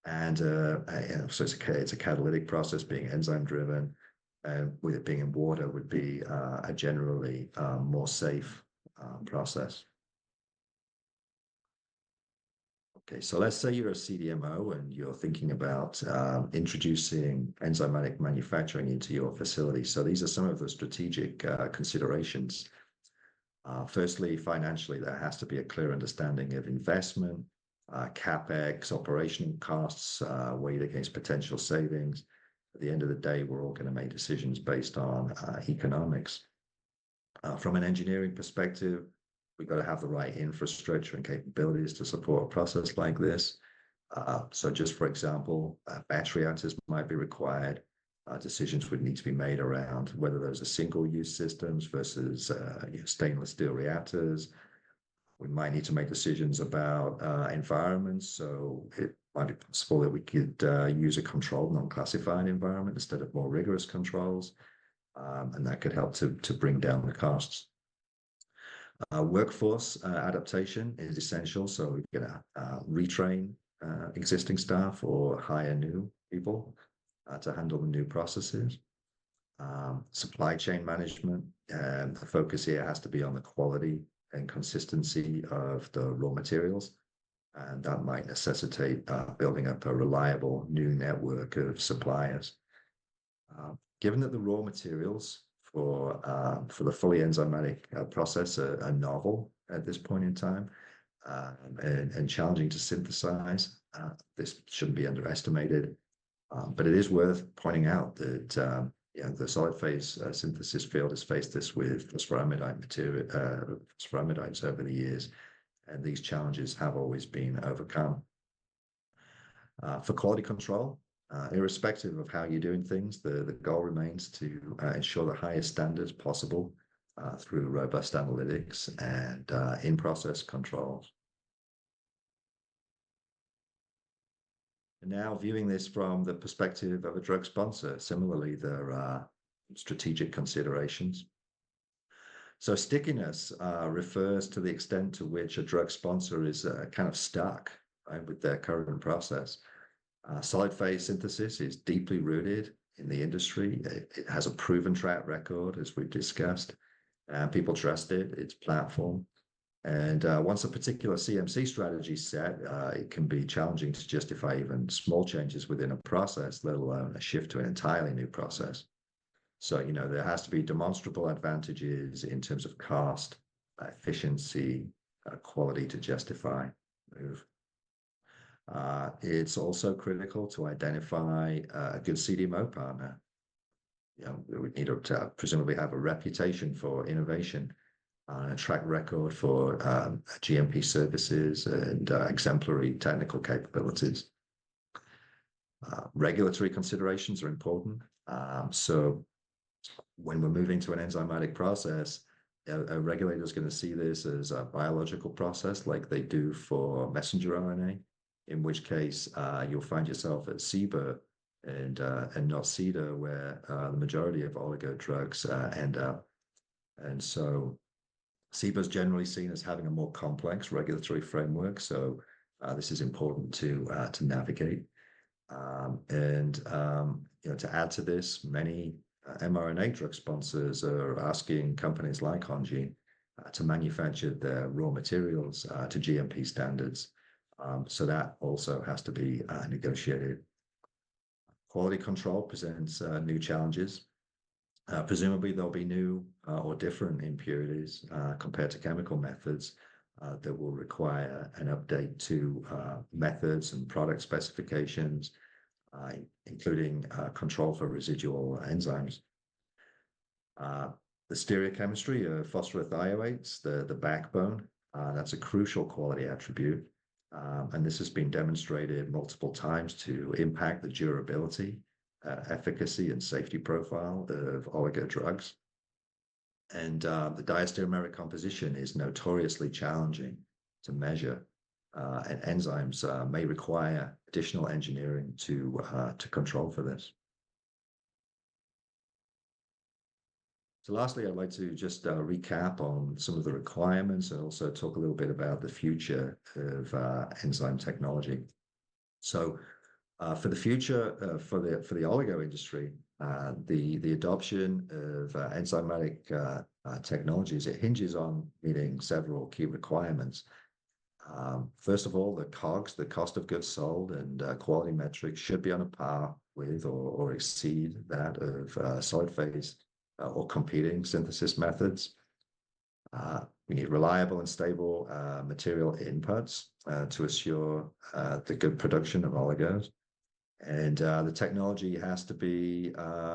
It's a catalytic process, being enzyme-driven, and with it being in water would be a generally more safe process. Okay, let's say you're a CDMO and you're thinking about introducing enzymatic manufacturing into your facility. These are some of the strategic considerations. Firstly, financially, there has to be a clear understanding of investment, CapEx, operational costs, weighed against potential savings. At the end of the day, we're all going to make decisions based on economics. From an engineering perspective, we've got to have the right infrastructure and capabilities to support a process like this. Just for example, batch reactors might be required. Decisions would need to be made around whether those are single-use systems versus, you know, stainless steel reactors. We might need to make decisions about environments, so it might be possible that we could use a controlled, non-classified environment instead of more rigorous controls, and that could help to bring down the costs. Workforce adaptation is essential, so we've got to retrain existing staff or hire new people to handle the new processes. Supply chain management, the focus here has to be on the quality and consistency of the raw materials, and that might necessitate building up a reliable new network of suppliers. Given that the raw materials for the fully enzymatic process are novel at this point in time, and challenging to synthesize, this shouldn't be underestimated. But it is worth pointing out that, you know, the solid-phase synthesis field has faced this with the sphingomyelin material, sphingomyelin over the years, and these challenges have always been overcome. For quality control, irrespective of how you're doing things, the goal remains to ensure the highest standards possible through robust analytics and in-process controls. Now, viewing this from the perspective of a drug sponsor, similarly, there are strategic considerations. So stickiness refers to the extent to which a drug sponsor is kind of stuck with their current process. Solid-phase synthesis is deeply rooted in the industry. It has a proven track record, as we've discussed. People trust it, its platform. Once a particular CMC strategy is set, it can be challenging to justify even small changes within a process, let alone a shift to an entirely new process. So, you know, there has to be demonstrable advantages in terms of cost, efficiency, quality to justify a move. It's also critical to identify a good CDMO partner. You know, we would need them to presumably have a reputation for innovation, and a track record for GMP services and exemplary technical capabilities. Regulatory considerations are important. So when we're moving to an enzymatic process, a regulator is going to see this as a biological process, like they do for messenger RNA, in which case, you'll find yourself at CBER and not CDER, where the majority of oligo drugs end up. So CBER's generally seen as having a more complex regulatory framework, so this is important to navigate. You know, to add to this, many mRNA drug sponsors are asking companies like Hongene to manufacture their raw materials to GMP standards, so that also has to be negotiated. Quality control presents new challenges. Presumably, there'll be new or different impurities compared to chemical methods that will require an update to methods and product specifications, including control for residual enzymes. The stereochemistry of phosphorothioates, the backbone, that's a crucial quality attribute, and this has been demonstrated multiple times to impact the durability, efficacy, and safety profile of oligo drugs. The diastereomeric composition is notoriously challenging to measure, and enzymes may require additional engineering to control for this. Lastly, I'd like to just recap on some of the requirements and also talk a little bit about the future of enzyme technology. For the future, for the oligo industry, the adoption of enzymatic technologies, it hinges on meeting several key requirements. First of all, the COGS, the cost of goods sold, and quality metrics should be on a par with or exceed that of solid phase or competing synthesis methods. We need reliable and stable material inputs to assure the good production of oligos. The technology has to be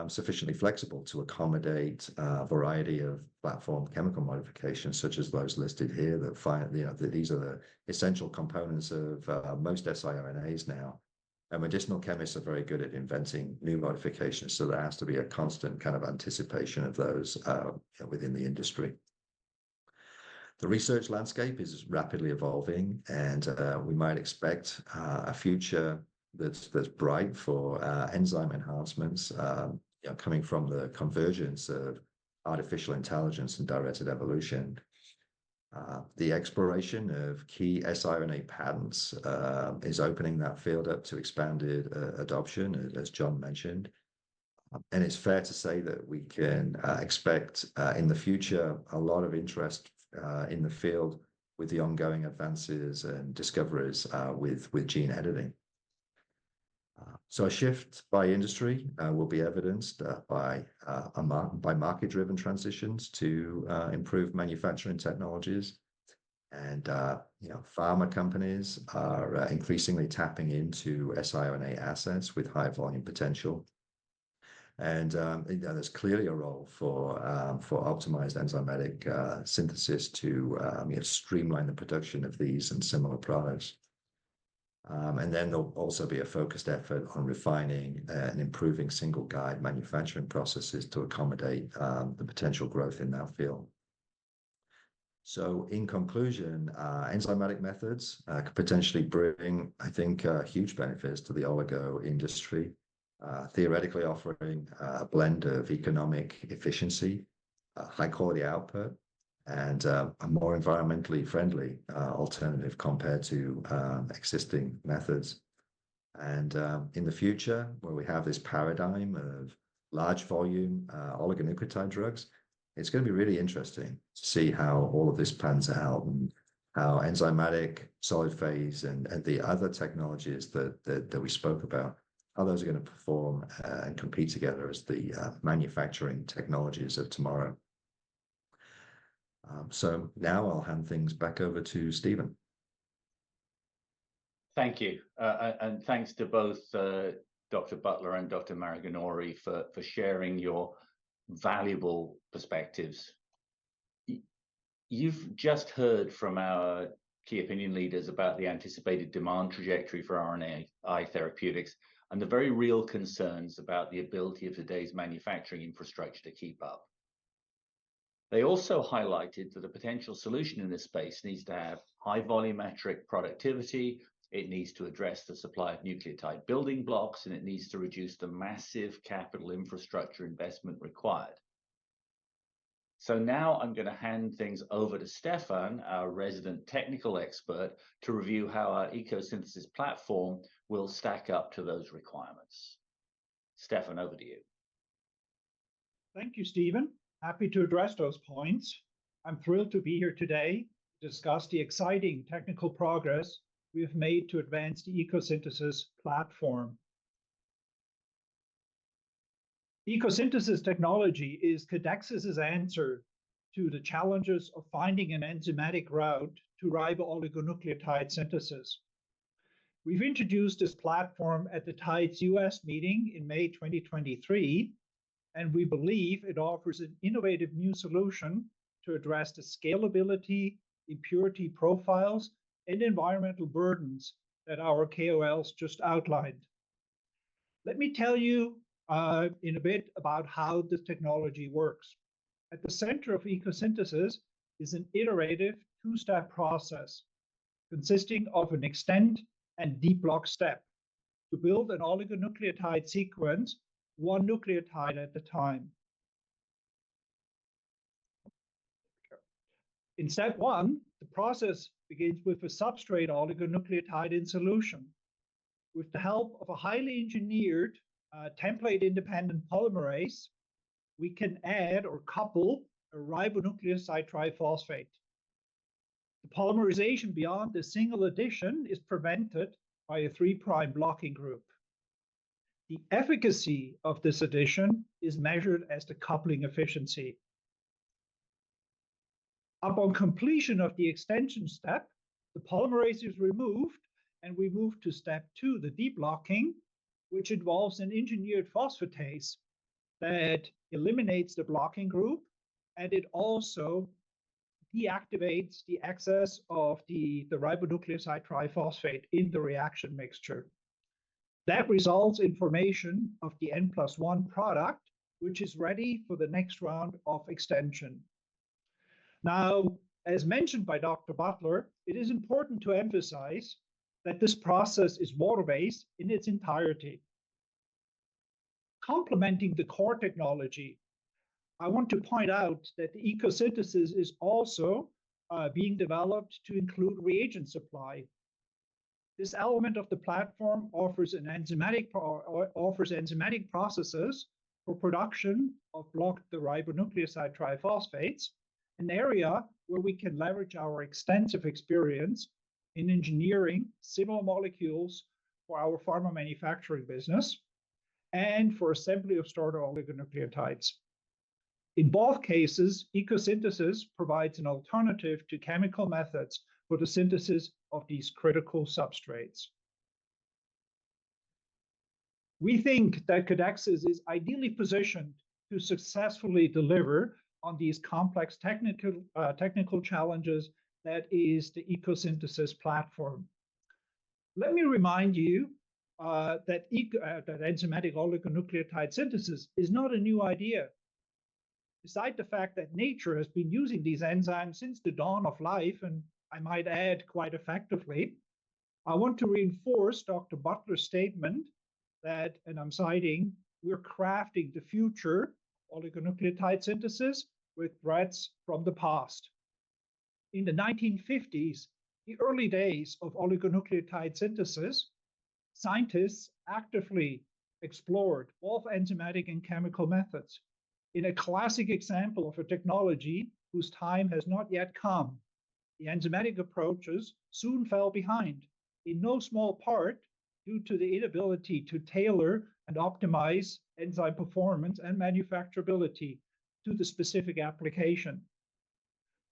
sufficiently flexible to accommodate a variety of platform chemical modifications, such as those listed here, that you know, these are the essential components of most siRNAs now, and medicinal chemists are very good at inventing new modifications, so there has to be a constant kind of anticipation of those within the industry. The research landscape is rapidly evolving, and we might expect a future that's, that's bright for enzyme enhancements, you know, coming from the convergence of artificial intelligence and directed evolution. The exploration of key siRNA patents is opening that field up to expanded adoption, as John mentioned, and it's fair to say that we can expect in the future a lot of interest in the field with the ongoing advances and discoveries with gene editing. So a shift by industry will be evidenced by market-driven transitions to improve manufacturing technologies. And you know, pharma companies are increasingly tapping into siRNA assets with high-volume potential. And you know, there's clearly a role for optimized enzymatic synthesis to you know, streamline the production of these and similar products. And then there'll also be a focused effort on refining and improving single-guide manufacturing processes to accommodate the potential growth in that field. So in conclusion, enzymatic methods could potentially bring, I think, huge benefits to the oligo industry, theoretically offering a blend of economic efficiency, high-quality output, and a more environmentally friendly alternative compared to existing methods. In the future, where we have this paradigm of large-volume oligonucleotide drugs, it's going to be really interesting to see how all of this pans out and how enzymatic, solid-phase, and the other technologies that we spoke about are going to perform and compete together as the manufacturing technologies of tomorrow. So now I'll hand things back over to Stephen. Thank you. And thanks to both Dr. Butler and Dr. Maraganore for sharing your valuable perspectives. You've just heard from our key opinion leaders about the anticipated demand trajectory for RNAi therapeutics and the very real concerns about the ability of today's manufacturing infrastructure to keep up. They also highlighted that a potential solution in this space needs to have high-volumetric productivity, it needs to address the supply of nucleotide building blocks, and it needs to reduce the massive capital infrastructure investment required. So now I'm going to hand things over to Stefan, our resident technical expert, to review how our ECO Synthesis platform will stack up to those requirements. Stefan, over to you. Thank you, Stephen. Happy to address those points. I'm thrilled to be here today to discuss the exciting technical progress we have made to advance the ECO Synthesis platform. ECO Synthesis technology is Codexis' answer to the challenges of finding an enzymatic route to ribooligonucleotide synthesis. We've introduced this platform at the TIDES U.S. meeting in May 2023, and we believe it offers an innovative new solution to address the scalability, impurity profiles, and environmental burdens that our KOLs just outlined. Let me tell you, in a bit about how this technology works. At the center of Ecosynthesis is an iterative two-step process, consisting of an extend and deblock step, to build an oligonucleotide sequence one nucleotide at a time. In step one, the process begins with a substrate oligonucleotide in solution. With the help of a highly engineered, template-independent polymerase, we can add or couple a ribonucleoside triphosphate. The polymerization beyond the single addition is prevented by a three-prime blocking group. The efficacy of this addition is measured as the coupling efficiency. Upon completion of the extension step, the polymerase is removed, and we move to step two, the deblocking, which involves an engineered phosphatase that eliminates the blocking group, and it also deactivates the excess of the ribonucleoside triphosphate in the reaction mixture. That results in formation of the N+1 product, which is ready for the next round of extension. Now, as mentioned by Dr. Butler, it is important to emphasize that this process is water-based in its entirety. Complementing the core technology, I want to point out that Ecosynthesis is also being developed to include reagent supply. This element of the platform offers enzymatic processes for production of blocked ribonucleoside triphosphates, an area where we can leverage our extensive experience in engineering similar molecules for our pharma manufacturing business and for assembly of starter oligonucleotides. In both cases, Ecosynthesis provides an alternative to chemical methods for the synthesis of these critical substrates. We think that Codexis is ideally positioned to successfully deliver on these complex technical, technical challenges that is the ECO Synthesis platform. Let me remind you, that enzymatic oligonucleotide synthesis is not a new idea. Besides the fact that nature has been using these enzymes since the dawn of life, and I might add, quite effectively, I want to reinforce Dr. Butler's statement that, and I'm citing, "We're crafting the future oligonucleotide synthesis with threads from the past." In the 1950s, the early days of oligonucleotide synthesis, scientists actively explored both enzymatic and chemical methods. In a classic example of a technology whose time has not yet come, the enzymatic approaches soon fell behind, in no small part due to the inability to tailor and optimize enzyme performance and manufacturability to the specific application.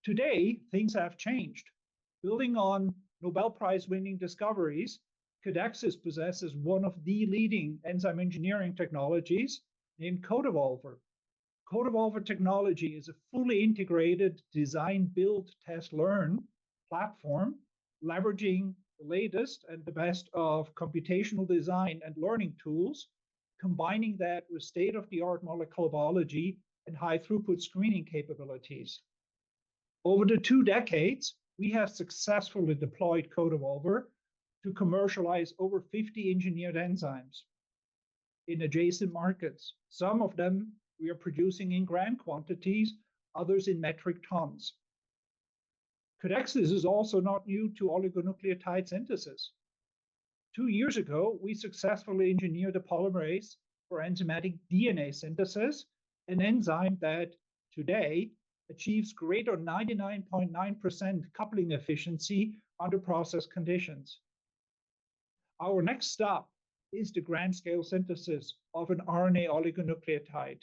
Today, things have changed. Building on Nobel Prize-winning discoveries, Codexis possesses one of the leading enzyme engineering technologies named CodeEvolver. CodeEvolver technology is a fully integrated design, build, test, learn platform, leveraging the latest and the best of computational design and learning tools, combining that with state-of-the-art molecular biology and high-throughput screening capabilities. Over the two decades, we have successfully deployed CodeEvolver to commercialize over 50 engineered enzymes in adjacent markets. Some of them we are producing in gram quantities, others in metric tons. Codexis is also not new to oligonucleotide synthesis. Two years ago, we successfully engineered a polymerase for enzymatic DNA synthesis, an enzyme that today achieves greater than 99.9% coupling efficiency under process conditions. Our next stop is the grand-scale synthesis of an RNA oligonucleotide,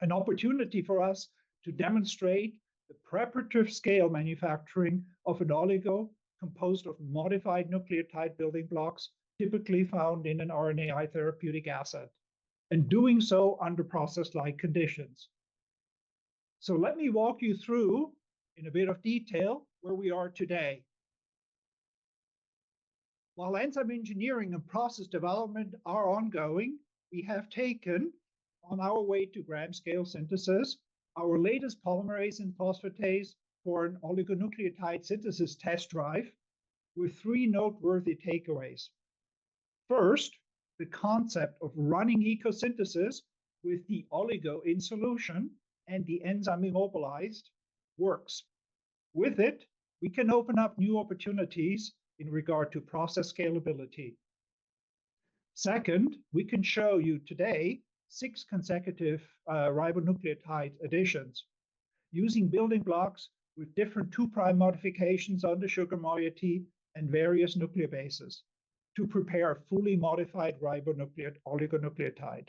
an opportunity for us to demonstrate the preparative scale manufacturing of an oligo composed of modified nucleotide building blocks typically found in an RNAi therapeutic asset, and doing so under process-like conditions. So let me walk you through, in a bit of detail, where we are today. While enzyme engineering and process development are ongoing, we have taken on our way to grand-scale synthesis, our latest polymerase and phosphatase for an oligonucleotide synthesis test drive with three noteworthy takeaways. First, the concept of running Ecosynthesis with the oligo in solution and the enzyme immobilized works. With it, we can open up new opportunities in regard to process scalability. Second, we can show you today six consecutive ribonucleotide additions using building blocks with different 2'-modifications on the sugar moiety and various nucleic bases to prepare a fully modified ribonucleotide oligonucleotide.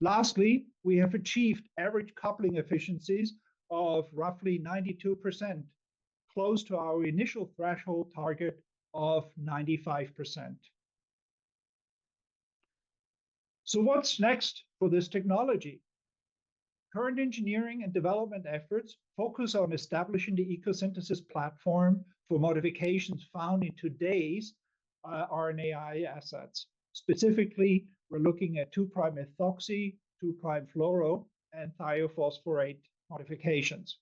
Lastly, we have achieved average coupling efficiencies of roughly 92%, close to our initial threshold target of 95%. So what's next for this technology? Current engineering and development efforts focus on establishing the ECO Synthesis platform for modifications found in today's RNAi assets. Specifically, we're looking at 2'-methoxy, 2'-fluoro, and phosphorothioate modifications.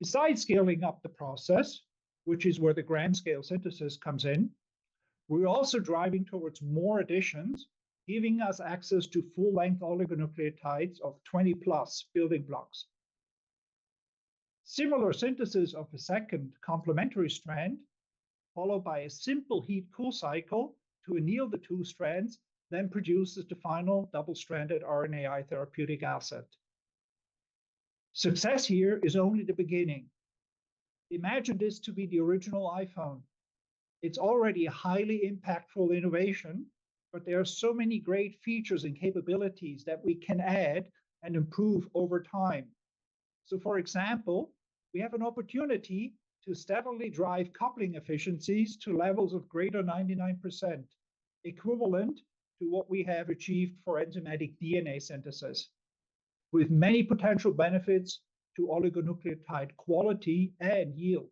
Besides scaling up the process, which is where the gram-scale synthesis comes in, we're also driving towards more additions, giving us access to full-length oligonucleotides of 20+ building blocks. Similar synthesis of the second complementary strand followed by a simple heat-cool cycle to anneal the two strands, then produces the final double-stranded RNAi therapeutic asset. Success here is only the beginning. Imagine this to be the original iPhone. It's already a highly impactful innovation, but there are so many great features and capabilities that we can add and improve over time. So, for example, we have an opportunity to steadily drive coupling efficiencies to levels of greater 99%, equivalent to what we have achieved for enzymatic DNA synthesis, with many potential benefits to oligonucleotide quality and yield.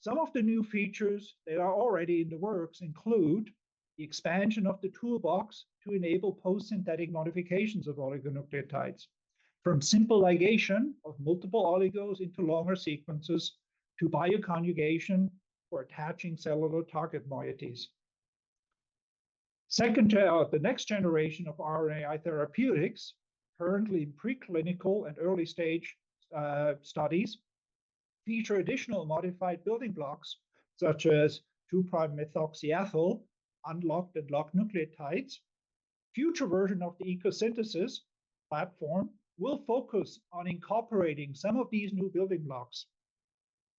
Some of the new features that are already in the works include the expansion of the toolbox to enable post-synthetic modifications of oligonucleotides, from simple ligation of multiple oligos into longer sequences to bioconjugation for attaching cellular target moieties. Second-generation or the next generation of RNAi therapeutics, currently in preclinical and early-stage studies, feature additional modified building blocks, such as 2'-methoxyethyl, unlocked and locked nucleotides. Future version of the ECO Synthesis platform will focus on incorporating some of these new building blocks.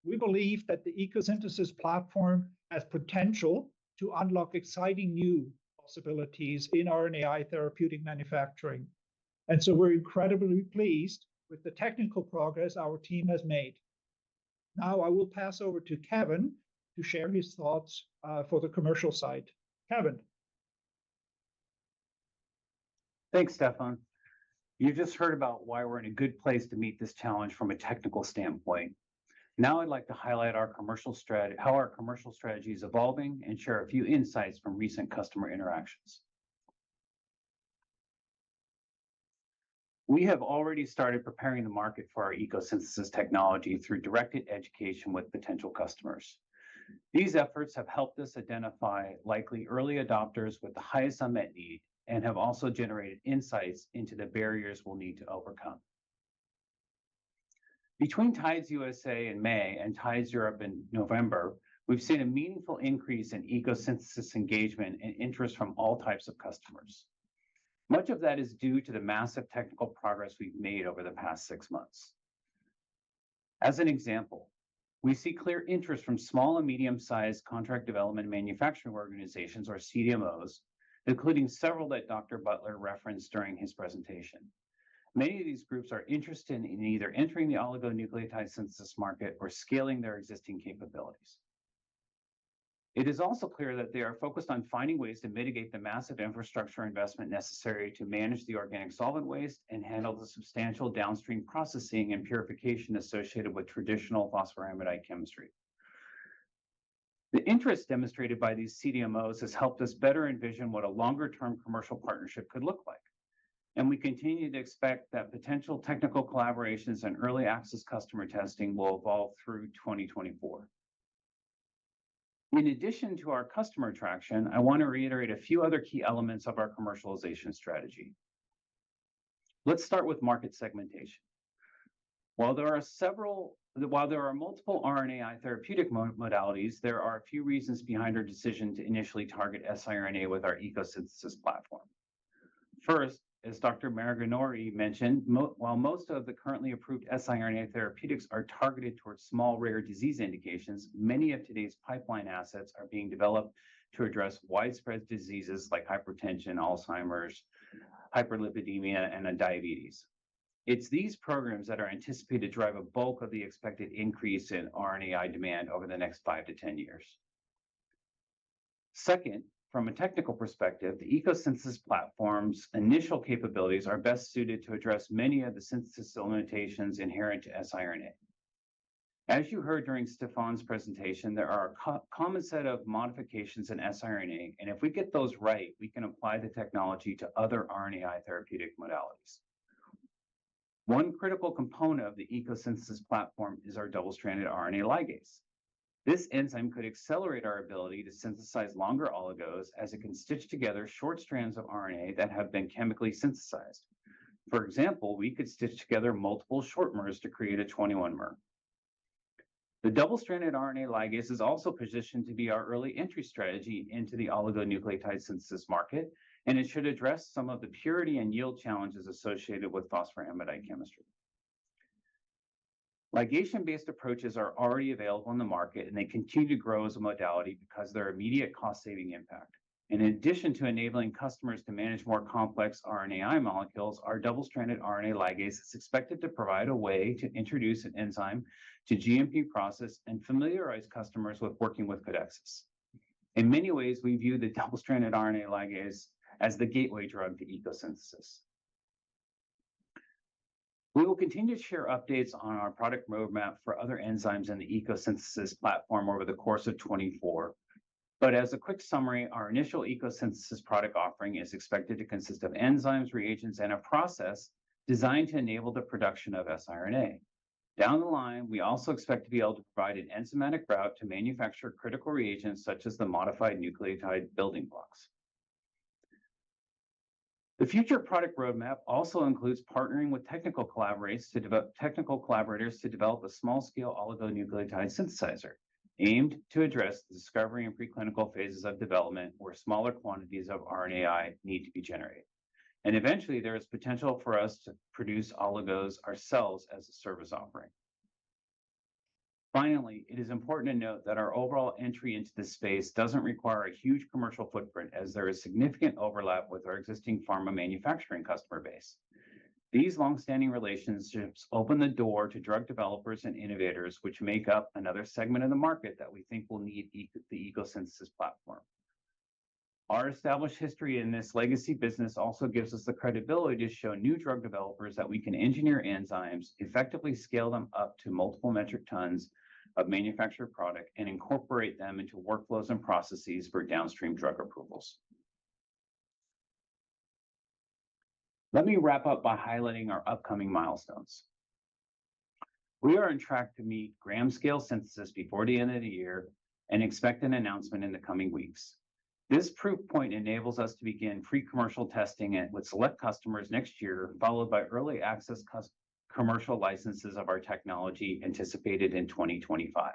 We believe that the ECO Synthesis platform has potential to unlock exciting new possibilities in RNAi therapeutic manufacturing, and so we're incredibly pleased with the technical progress our team has made. Now, I will pass over to Kevin to share his thoughts for the commercial side. Kevin? Thanks, Stefan. You've just heard about why we're in a good place to meet this challenge from a technical standpoint. Now I'd like to highlight our commercial strategy, how our commercial strategy is evolving and share a few insights from recent customer interactions. We have already started preparing the market for our ECO Synthesis technology through directed education with potential customers. These efforts have helped us identify likely early adopters with the highest unmet need and have also generated insights into the barriers we'll need to overcome. Between TIDES USA in May and TIDES Europe in November, we've seen a meaningful increase in ECO Synthesis engagement and interest from all types of customers. Much of that is due to the massive technical progress we've made over the past six months. As an example, we see clear interest from small and medium-sized contract development manufacturing organizations, or CDMOs, including several that Dr. Butler referenced during his presentation. Many of these groups are interested in either entering the oligonucleotide synthesis market or scaling their existing capabilities. It is also clear that they are focused on finding ways to mitigate the massive infrastructure investment necessary to manage the organic solvent waste and handle the substantial downstream processing and purification associated with traditional phosphoramidite chemistry. The interest demonstrated by these CDMOs has helped us better envision what a longer-term commercial partnership could look like, and we continue to expect that potential technical collaborations and early access customer testing will evolve through 2024. In addition to our customer traction, I want to reiterate a few other key elements of our commercialization strategy. Let's start with market segmentation. While there are multiple RNAi therapeutic modalities, there are a few reasons behind our decision to initially target siRNA with our ECO Synthesis platform. First, as Dr. Maraganore mentioned, while most of the currently approved siRNA therapeutics are targeted towards small, rare disease indications, many of today's pipeline assets are being developed to address widespread diseases like hypertension, Alzheimer's, hyperlipidemia, and diabetes. It's these programs that are anticipated to drive a bulk of the expected increase in RNAi demand over the next five to 10 years. Second, from a technical perspective, the ECO Synthesis platform's initial capabilities are best suited to address many of the synthesis limitations inherent to siRNA. As you heard during Stefan's presentation, there are a common set of modifications in siRNA, and if we get those right, we can apply the technology to other RNAi therapeutic modalities. One critical component of the ECO Synthesis platform is our double-stranded RNA ligase. This enzyme could accelerate our ability to synthesize longer oligos, as it can stitch together short strands of RNA that have been chemically synthesized. For example, we could stitch together multiple short-mers to create a 21-mer. The double-stranded RNA ligase is also positioned to be our early entry strategy into the oligonucleotide synthesis market, and it should address some of the purity and yield challenges associated with phosphoramidite chemistry. Ligation-based approaches are already available on the market, and they continue to grow as a modality because of their immediate cost-saving impact. In addition to enabling customers to manage more complex RNAi molecules, our double-stranded RNA ligase is expected to provide a way to introduce an enzyme to GMP process and familiarize customers with working with Codexis. In many ways, we view the double-stranded RNA ligase as the gateway drug to Ecosynthesis. We will continue to share updates on our product roadmap for other enzymes in the ECO Synthesis platform over the course of 2024. But as a quick summary, our initial ECO Synthesis product offering is expected to consist of enzymes, reagents, and a process designed to enable the production of siRNA. Down the line, we also expect to be able to provide an enzymatic route to manufacture critical reagents, such as the modified nucleotide building blocks. The future product roadmap also includes partnering with technical collaborators to develop a small-scale oligonucleotide synthesizer, aimed to address the discovery and preclinical phases of development, where smaller quantities of RNAi need to be generated. And eventually, there is potential for us to produce oligos ourselves as a service offering. Finally, it is important to note that our overall entry into this space doesn't require a huge commercial footprint, as there is significant overlap with our existing pharma manufacturing customer base. These long-standing relationships open the door to drug developers and innovators, which make up another segment of the market that we think will need the ECO Synthesis platform. Our established history in this legacy business also gives us the credibility to show new drug developers that we can engineer enzymes, effectively scale them up to multiple metric tons of manufactured product, and incorporate them into workflows and processes for downstream drug approvals. Let me wrap up by highlighting our upcoming milestones. We are on track to meet gram scale synthesis before the end of the year and expect an announcement in the coming weeks. This proof point enables us to begin pre-commercial testing with select customers next year, followed by early access commercial licenses of our technology, anticipated in 2025.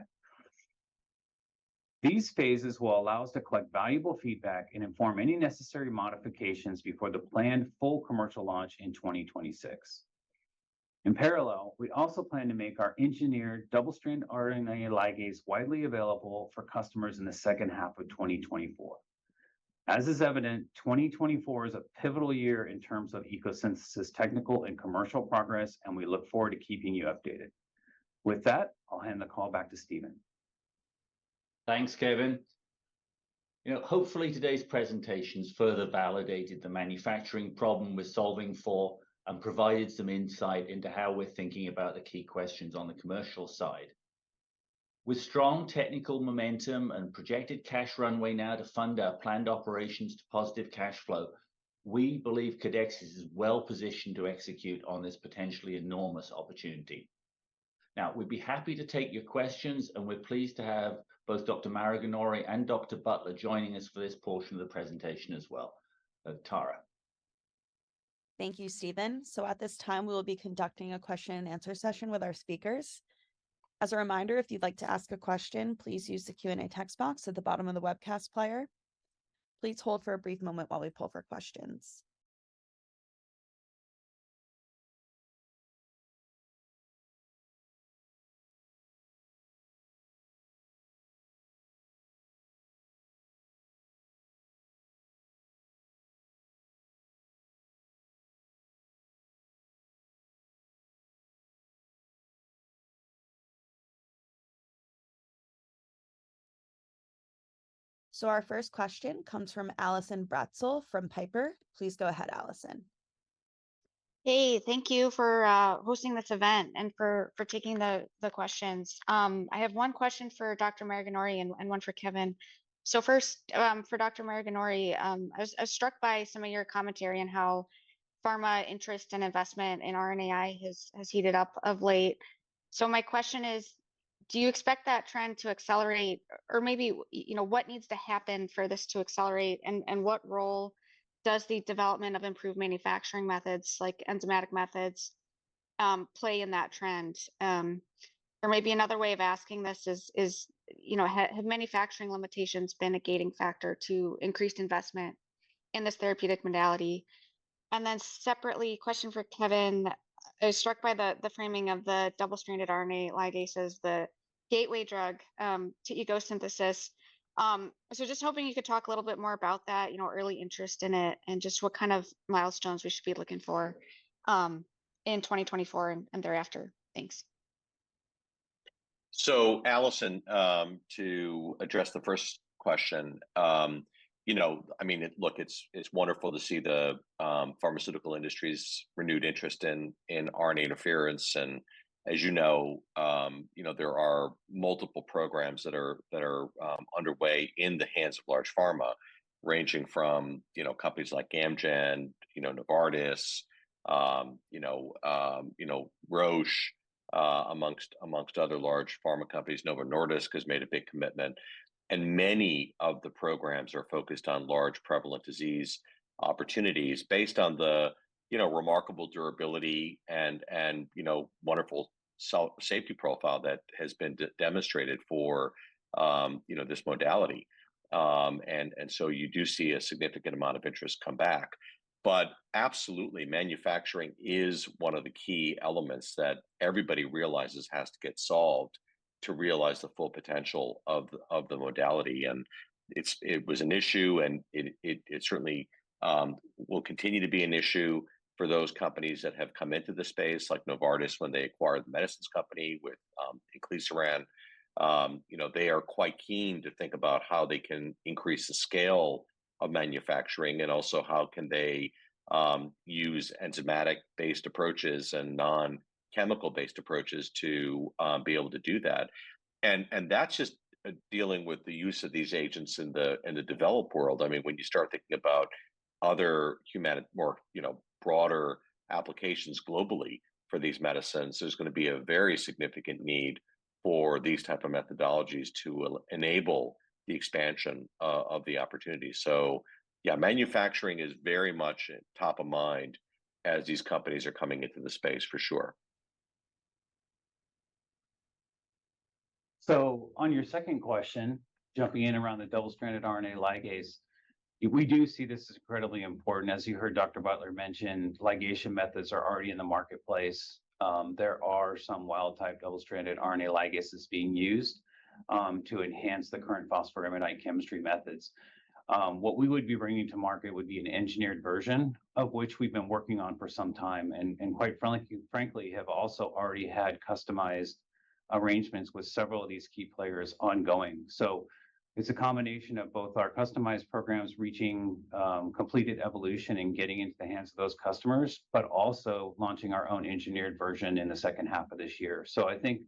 These phases will allow us to collect valuable feedback and inform any necessary modifications before the planned full commercial launch in 2026. In parallel, we also plan to make our engineered double-stranded RNA ligase widely available for customers in the second half of 2024. As is evident, 2024 is a pivotal year in terms of ECO Synthesis technical and commercial progress, and we look forward to keeping you updated. With that, I'll hand the call back to Stephen. Thanks, Kevin. You know, hopefully today's presentations further validated the manufacturing problem we're solving for and provided some insight into how we're thinking about the key questions on the commercial side. With strong technical momentum and projected cash runway now to fund our planned operations to positive cash flow, we believe Codexis is well positioned to execute on this potentially enormous opportunity. Now, we'd be happy to take your questions, and we're pleased to have both Dr. Maraganore and Dr. Butler joining us for this portion of the presentation as well. Tara? Thank you, Stephen. So at this time, we will be conducting a question and answer session with our speakers. As a reminder, if you'd like to ask a question, please use the Q&A text box at the bottom of the webcast player. Please hold for a brief moment while we poll for questions. So our first question comes from Allison Bratzel from Piper. Please go ahead, Allison. Hey, thank you for hosting this event and for taking the questions. I have one question for Dr. Maraganore and one for Kevin. So first, for Dr. Maraganore, I was struck by some of your commentary on how pharma interest and investment in RNAi has heated up of late. So my question is: do you expect that trend to accelerate? Or maybe, you know, what needs to happen for this to accelerate, and what role does the development of improved manufacturing methods, like enzymatic methods, play in that trend? Or maybe another way of asking this is, you know, have manufacturing limitations been a gating factor to increased investment in this therapeutic modality? And then separately, a question for Kevin. I was struck by the framing of the double-stranded RNA ligases, the gateway drug to Ecosynthesis. So just hoping you could talk a little bit more about that, you know, early interest in it, and just what kind of milestones we should be looking for in 2024 and thereafter. Thanks. So, Allison, to address the first question, you know, I mean, look, it's, it's wonderful to see the pharmaceutical industry's renewed interest in RNA interference. And as you know, you know, there are multiple programs that are underway in the hands of large pharma, ranging from, you know, companies like Amgen, you know, Novartis, you know, Roche, amongst other large pharma companies. Novo Nordisk has made a big commitment, and many of the programs are focused on large, prevalent disease opportunities based on the, you know, remarkable durability and, and, you know, wonderful safety profile that has been demonstrated for, you know, this modality. And so you do see a significant amount of interest come back. But absolutely, manufacturing is one of the key elements that everybody realizes has to get solved to realize the full potential of the modality. And it was an issue, and it certainly will continue to be an issue for those companies that have come into the space, like Novartis, when they acquired The Medicines Company with inclisiran. You know, they are quite keen to think about how they can increase the scale of manufacturing and also how can they use enzymatic-based approaches and non-chemical-based approaches to be able to do that. And that's just dealing with the use of these agents in the developed world. I mean, when you start thinking about other more, you know, broader applications globally for these medicines, there's going to be a very significant need for these type of methodologies to enable the expansion of the opportunity. So yeah, manufacturing is very much top of mind as these companies are coming into the space, for sure. So on your second question, jumping in around the double-stranded RNA ligase, we do see this as incredibly important. As you heard Dr. Butler mention, ligation methods are already in the marketplace. There are some wild-type double-stranded RNA ligases being used to enhance the current phosphoramidite chemistry methods. What we would be bringing to market would be an engineered version, of which we've been working on for some time, and quite frankly have also already had customized arrangements with several of these key players ongoing. So it's a combination of both our customized programs reaching completed evolution and getting into the hands of those customers, but also launching our own engineered version in the second half of this year. So I think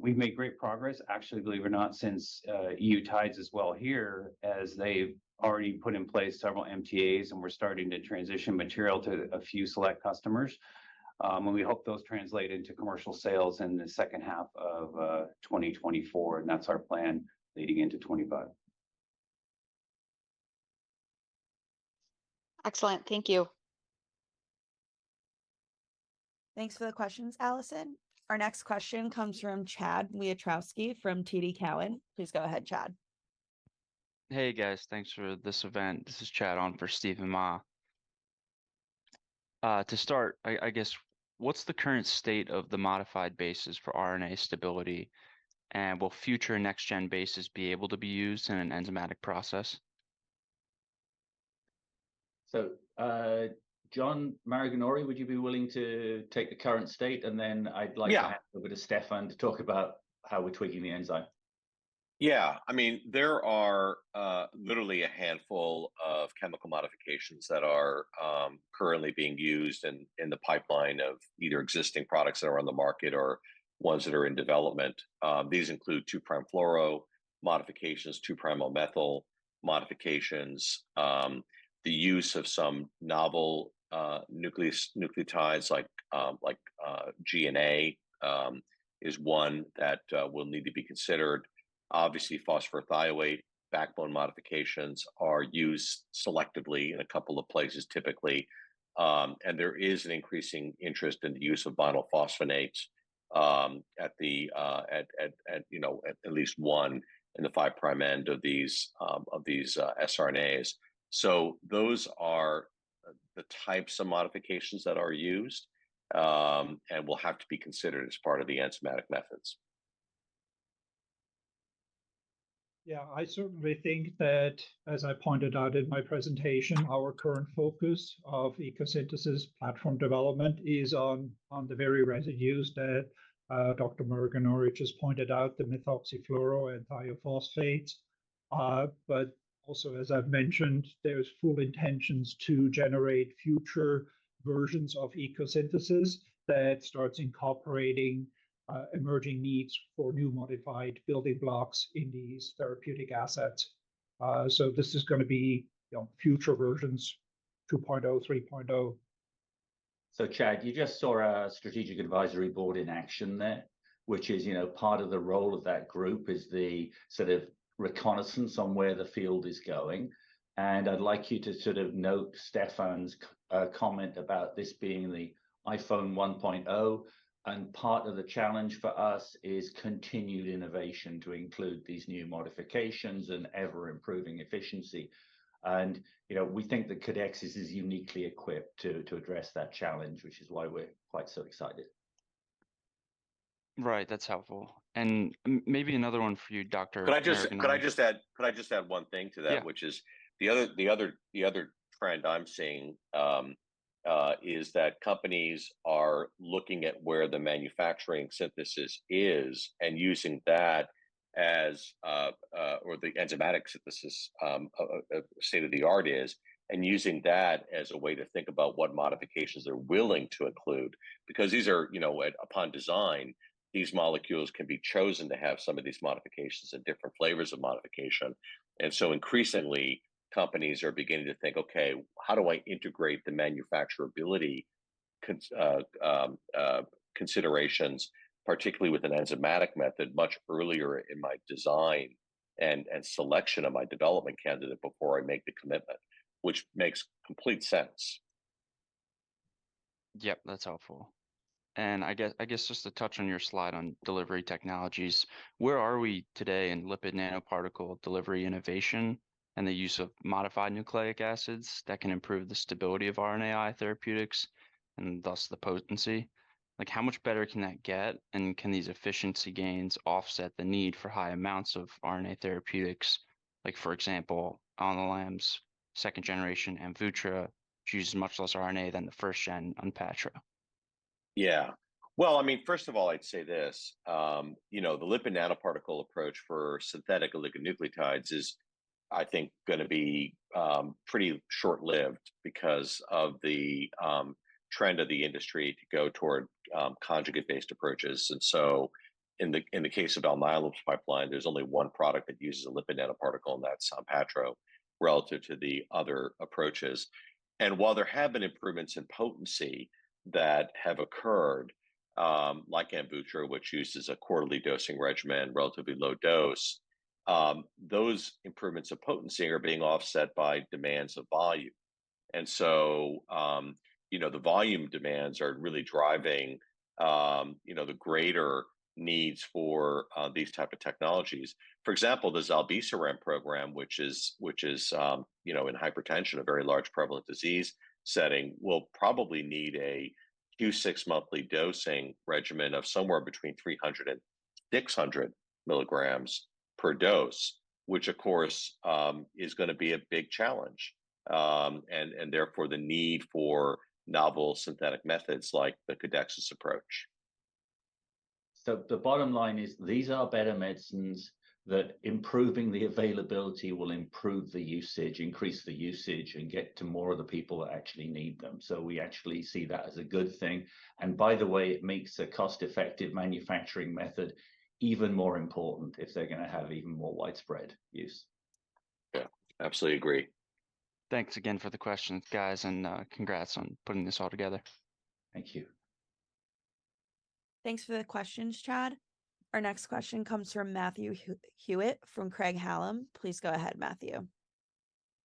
we've made great progress, actually, believe it or not, since TIDES as well here, as they've already put in place several MTAs, and we're starting to transition material to a few select customers. And we hope those translate into commercial sales in the second half of 2024, and that's our plan leading into 2025. Excellent. Thank you. Thanks for the questions, Allison. Our next question comes from Chad Wiatrowski from TD Cowen. Please go ahead, Chad. Hey, guys. Thanks for this event. This is Chad on for Steven Mah. To start, I guess, what's the current state of the modified bases for RNA stability, and will future next-gen bases be able to be used in an enzymatic process? So, John Maraganore, would you be willing to take the current state? And then I'd like- Yeah. To have a bit of Stefan to talk about how we're tweaking the enzyme. Yeah. I mean, there are literally a handful of chemical modifications that are currently being used in the pipeline of either existing products that are on the market or ones that are in development. These include 2'-fluoro modifications, 2'-O-methyl modifications. The use of some novel nucleotides, like GNA, is one that will need to be considered. Obviously, phosphorothioate backbone modifications are used selectively in a couple of places, typically. And there is an increasing interest in the use of vinylphosphonates, you know, at least one in the 5'-end of these siRNAs. So those are the types of modifications that are used and will have to be considered as part of the enzymatic methods. Yeah, I certainly think that, as I pointed out in my presentation, our current focus of ECO Synthesis platform development is on, on the very residues that, Dr. Maraganore just pointed out, the methoxyfluoro and phosphorothioate. But also, as I've mentioned, there is full intentions to generate future versions of Ecosynthesis that starts incorporating, emerging needs for new modified building blocks in these therapeutic assets. So this is going to be, you know, future versions, 2.0, 3.0. So, Chad, you just saw our strategic advisory board in action there, which is, you know, part of the role of that group, is the sort of reconnaissance on where the field is going. And I'd like you to sort of note Stefan's comment about this being the iPhone 1.0, and part of the challenge for us is continued innovation to include these new modifications and ever-improving efficiency. And, you know, we think that Codexis is uniquely equipped to address that challenge, which is why we're quite so excited. Right. That's helpful. And maybe another one for you, Dr. Maraganore. Could I just add one thing to that? Yeah. Which is the other trend I'm seeing is that companies are looking at where the manufacturing synthesis is and using that as or the enzymatic synthesis of state-of-the-art is, and using that as a way to think about what modifications they're willing to include. Because these are, you know, upon design, these molecules can be chosen to have some of these modifications and different flavors of modification. And so increasingly, companies are beginning to think, "Okay, how do I integrate the manufacturability considerations, particularly with an enzymatic method, much earlier in my design and selection of my development candidate before I make the commitment?" Which makes complete sense. Yep, that's helpful. And I guess, I guess just to touch on your slide on delivery technologies, where are we today in lipid nanoparticle delivery innovation and the use of modified nucleic acids that can improve the stability of RNAi therapeutics and thus the potency? Like, how much better can that get, and can these efficiency gains offset the need for high amounts of RNA therapeutics, like, for example, Alnylam's second-generation AMVUTTRA, which uses much less RNA than the 1st-gen on ONPATTRO? Yeah. Well, I mean, first of all, I'd say this, you know, the lipid nanoparticle approach for synthetic oligonucleotides is, I think, going to be pretty short-lived because of the trend of the industry to go toward conjugate-based approaches. And so in the case of Alnylam's pipeline, there's only one product that uses a lipid nanoparticle, and that's ONPATTRO, relative to the other approaches. And while there have been improvements in potency that have occurred, like AMVUTTRA, which uses a quarterly dosing regimen, relatively low dose, those improvements of potency are being offset by demands of volume and so, you know, the volume demands are really driving, you know, the greater needs for these type of technologies. For example, the zilebesiran program, which is, which is, you know, in hypertension, a very large prevalent disease setting, will probably need a Q6 monthly dosing regimen of somewhere between 300 mg and 600 mg per dose, which of course, is gonna be a big challenge. And therefore, the need for novel synthetic methods like the Codexis approach. So the bottom line is, these are better medicines. That improving the availability will improve the usage, increase the usage, and get to more of the people that actually need them. So we actually see that as a good thing. And by the way, it makes a cost-effective manufacturing method even more important if they're gonna have even more widespread use. Yeah, absolutely agree. Thanks again for the questions, guys, and congrats on putting this all together. Thank you. Thanks for the questions, Chad. Our next question comes from Matthew Hewitt from Craig-Hallum. Please go ahead, Matthew.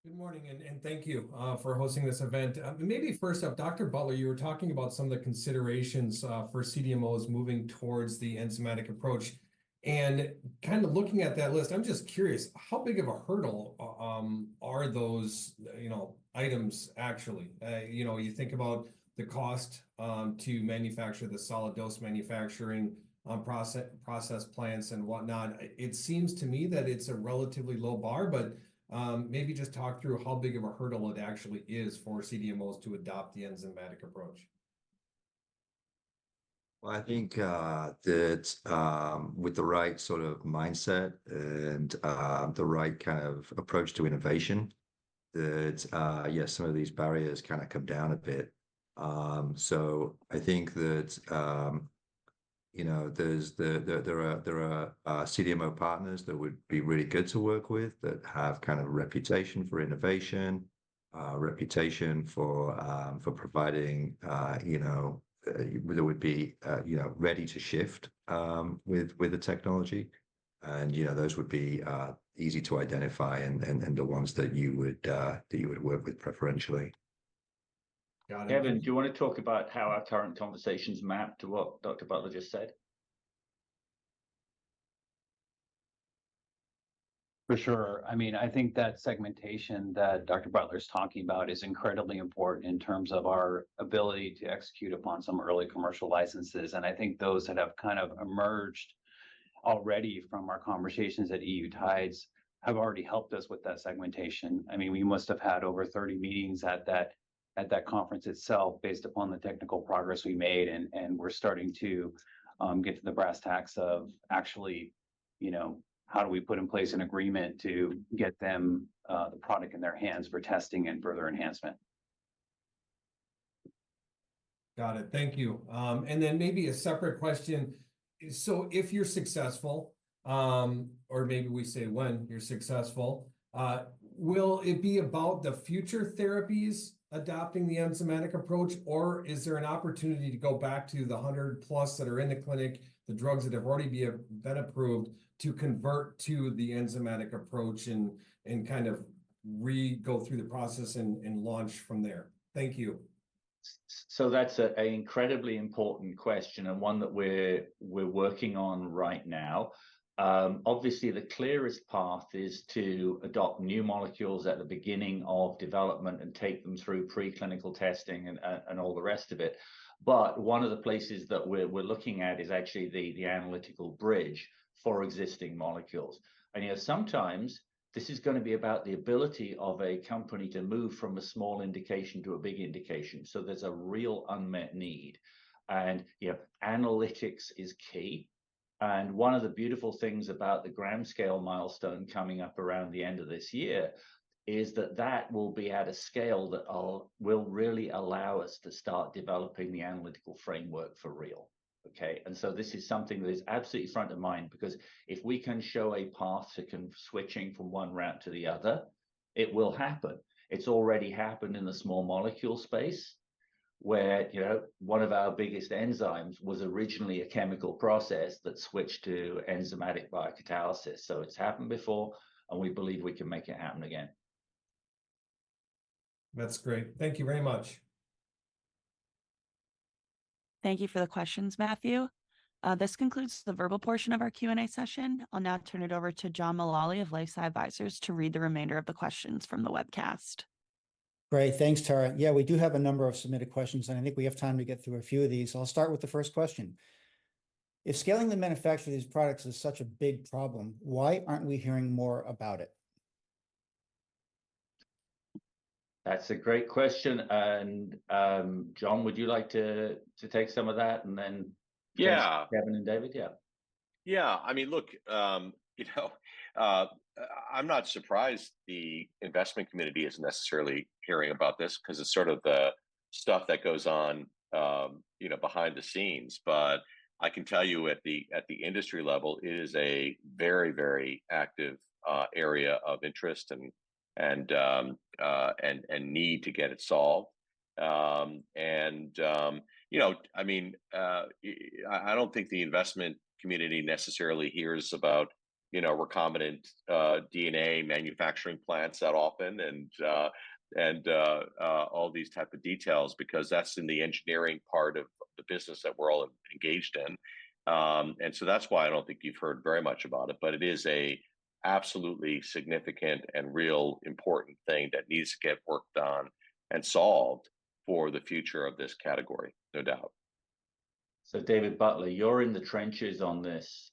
Good morning, and thank you for hosting this event. Maybe first off, Dr. Butler, you were talking about some of the considerations for CDMOs moving towards the enzymatic approach. And kind of looking at that list, I'm just curious, how big of a hurdle are those, you know, items actually? You know, you think about the cost to manufacture, the solid dose manufacturing, process plants and whatnot. It seems to me that it's a relatively low bar, but maybe just talk through how big of a hurdle it actually is for CDMOs to adopt the enzymatic approach. Well, I think that with the right sort of mindset and the right kind of approach to innovation, that yeah, some of these barriers kinda come down a bit. So I think that, you know, there are CDMO partners that would be really good to work with, that have kind of a reputation for innovation, a reputation for providing, you know, that would be, you know, ready to shift with the technology. And, you know, those would be easy to identify and the ones that you would work with preferentially. Got it. Kevin, do you wanna talk about how our current conversations map to what Dr. Butler just said? For sure. I mean, I think that segmentation that Dr. Butler is talking about is incredibly important in terms of our ability to execute upon some early commercial licenses, and I think those that have kind of emerged already from our conversations at EU TIDES have already helped us with that segmentation. I mean, we must have had over 30 meetings at that, at that conference itself, based upon the technical progress we made, and, and we're starting to get to the brass tacks of actually, you know, how do we put in place an agreement to get them the product in their hands for testing and further enhancement? Got it. Thank you. And then maybe a separate question: so if you're successful, or maybe we say when you're successful, will it be about the future therapies adopting the enzymatic approach, or is there an opportunity to go back to the 100+ that are in the clinic, the drugs that have already been approved, to convert to the enzymatic approach and kind of re-go through the process and launch from there? Thank you. So that's an incredibly important question, and one that we're working on right now. Obviously, the clearest path is to adopt new molecules at the beginning of development and take them through pre-clinical testing and all the rest of it, but one of the places that we're looking at is actually the analytical bridge for existing molecules. And, you know, sometimes this is gonna be about the ability of a company to move from a small indication to a big indication, so there's a real unmet need. And, you know, analytics is key, and one of the beautiful things about the gram scale milestone coming up around the end of this year is that that will be at a scale that will really allow us to start developing the analytical framework for real. Okay? And so this is something that is absolutely front of mind, because if we can show a path to switching from one route to the other, it will happen. It's already happened in the small molecule space, where, you know, one of our biggest enzymes was originally a chemical process that switched to enzymatic biocatalysis. So it's happened before, and we believe we can make it happen again. That's great. Thank you very much. Thank you for the questions, Matthew. This concludes the verbal portion of our Q&A session. I'll now turn it over to John Mulally of LifeSci Advisors to read the remainder of the questions from the webcast. Great, thanks, Tara. Yeah, we do have a number of submitted questions, and I think we have time to get through a few of these. I'll start with the first question: If scaling the manufacture of these products is such a big problem, why aren't we hearing more about it? That's a great question, and, John, would you like to take some of that, and then. Yeah Kevin and David? Yeah. Yeah. I mean, look, you know, I'm not surprised the investment community isn't necessarily hearing about this, 'cause it's sort of the stuff that goes on, you know, behind the scenes. But I can tell you at the industry level, it is a very, very active area of interest and need to get it solved. And, you know, I mean, I don't think the investment community necessarily hears about, you know, recombinant DNA manufacturing plants that often, and all these type of details, because that's in the engineering part of the business that we're all engaged in. and so that's why I don't think you've heard very much about it, but it is a absolutely significant and real important thing that needs to get worked on and solved for the future of this category, no doubt. So, David Butler, you're in the trenches on this.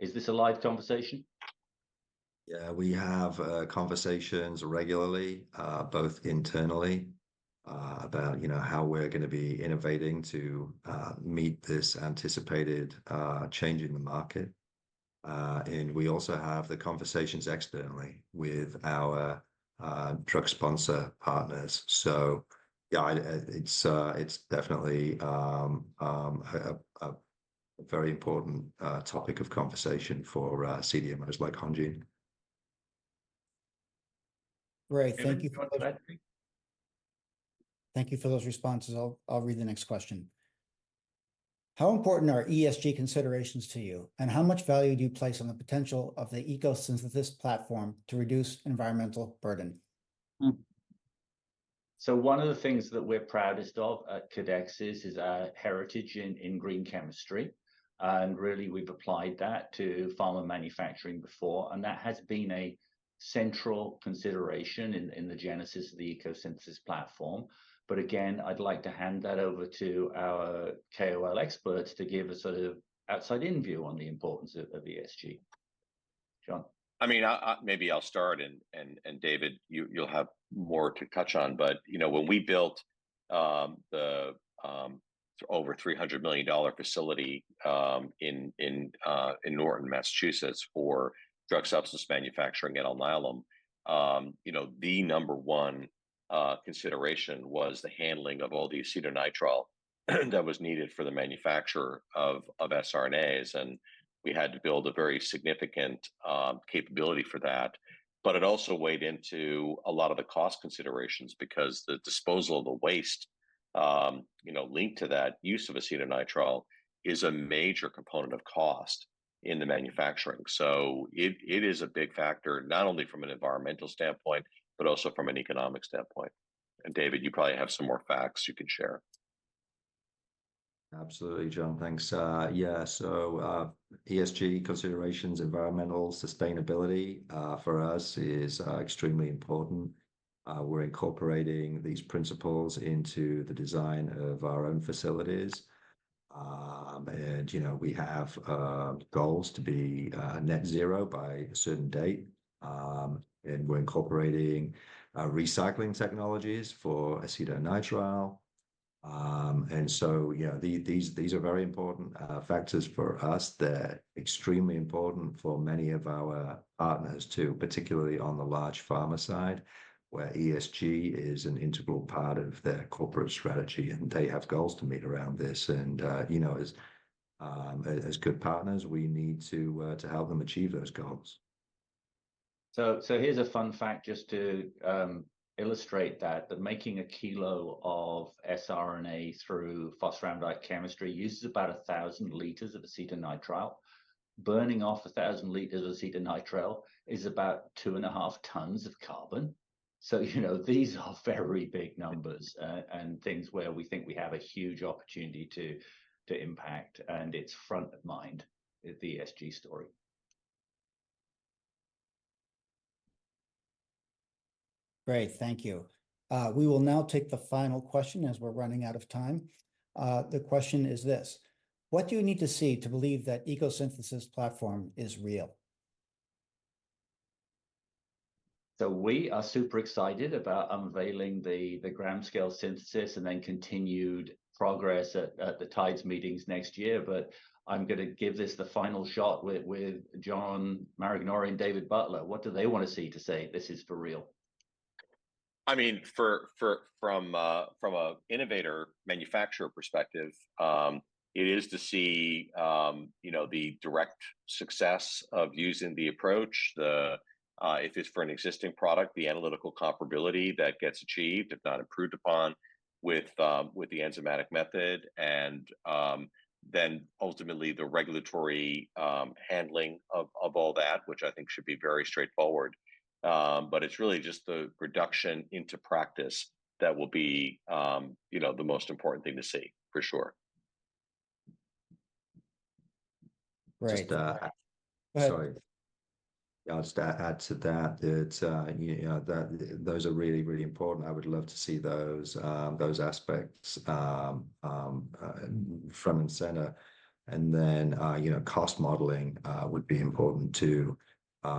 Is this a live conversation? Yeah, we have conversations regularly, both internally, about, you know, how we're going to be innovating to meet this anticipated change in the market. And we also have the conversations externally with our drug sponsor partners. So yeah, it's definitely a very important topic of conversation for CDMOs like Hongene. Great, thank you for that. Thank you for those responses. I'll read the next question: How important are ESG considerations to you, and how much value do you place on the potential of the ECO Synthesis platform to reduce environmental burden? So one of the things that we're proudest of at Codexis is our heritage in green chemistry, and really we've applied that to pharma manufacturing before, and that has been a central consideration in the genesis of the ECO Synthesis platform. But again, I'd like to hand that over to our KOL experts to give a sort of outside-in view on the importance of ESG. John? I mean. Maybe I'll start, and David, you'll have more to touch on. But, you know, when we built the over $300 million facility in Norton, Massachusetts, for drug substance manufacturing at Alnylam, you know, the number one consideration was the handling of all the acetonitrile that was needed for the manufacture of siRNAs, and we had to build a very significant capability for that. But it also weighed into a lot of the cost considerations, because the disposal of the waste, you know, linked to that use of acetonitrile is a major component of cost in the manufacturing. So it is a big factor, not only from an environmental standpoint, but also from an economic standpoint. And David, you probably have some more facts you can share. Absolutely, John. Thanks. Yeah, so, ESG considerations, environmental sustainability, for us is extremely important. We're incorporating these principles into the design of our own facilities. And, you know, we have goals to be net zero by a certain date. And we're incorporating recycling technologies for acetonitrile. And so, you know, these are very important factors for us. They're extremely important for many of our partners, too, particularly on the large pharma side, where ESG is an integral part of their corporate strategy, and they have goals to meet around this. And, you know, as good partners, we need to help them achieve those goals. So here's a fun fact just to illustrate that making a kilo of siRNA through phosphoramidite chemistry uses about 1,000 L of acetonitrile. Burning off 1,000 L of acetonitrile is about 2.5 tons of carbon. So, you know, these are very big numbers, and things where we think we have a huge opportunity to impact, and it's front of mind, the ESG story. Great, thank you. We will now take the final question, as we're running out of time. The question is this: What do you need to see to believe that ECO Synthesis platform is real? So we are super excited about unveiling the gram-scale synthesis and then continued progress at the TIDES meetings next year, but I'm going to give this the final shot with John Maraganore and David Butler. What do they want to see to say this is for real? I mean, from a innovator/manufacturer perspective, it is to see, you know, the direct success of using the approach. The, if it's for an existing product, the analytical comparability that gets achieved, if not improved upon, with the enzymatic method, and then ultimately the regulatory handling of all that, which I think should be very straightforward. But it's really just the reduction into practice that will be, you know, the most important thing to see, for sure. Right. Just, uh- Uh- Sorry. I'll just add to that, that, you know, that those are really, really important. I would love to see those, those aspects, front and center. And then, you know, cost modeling, would be important, too. You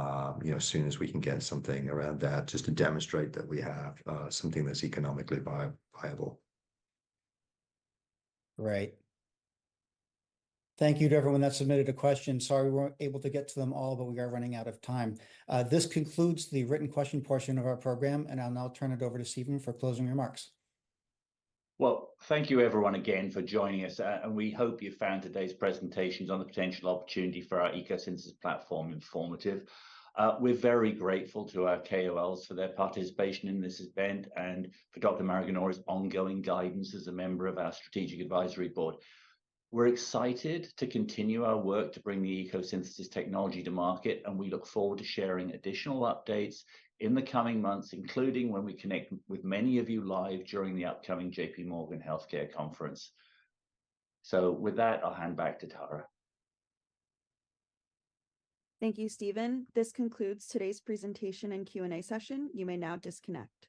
know, as soon as we can get something around that, just to demonstrate that we have, something that's economically viable. Right. Thank you to everyone that submitted a question. Sorry we weren't able to get to them all, but we are running out of time. This concludes the written question portion of our program, and I'll now turn it over to Stephen for closing remarks. Well, thank you everyone again for joining us, and we hope you found today's presentations on the potential opportunity for our ECO Synthesis platform informative. We're very grateful to our KOLs for their participation in this event and for Dr. Maraganore's ongoing guidance as a member of our strategic advisory board. We're excited to continue our work to bring the ECO Synthesis technology to market, and we look forward to sharing additional updates in the coming months, including when we connect with many of you live during the upcoming JPMorgan Healthcare Conference. So with that, I'll hand back to Tara. Thank you, Stephen. This concludes today's presentation and Q&A session. You may now disconnect.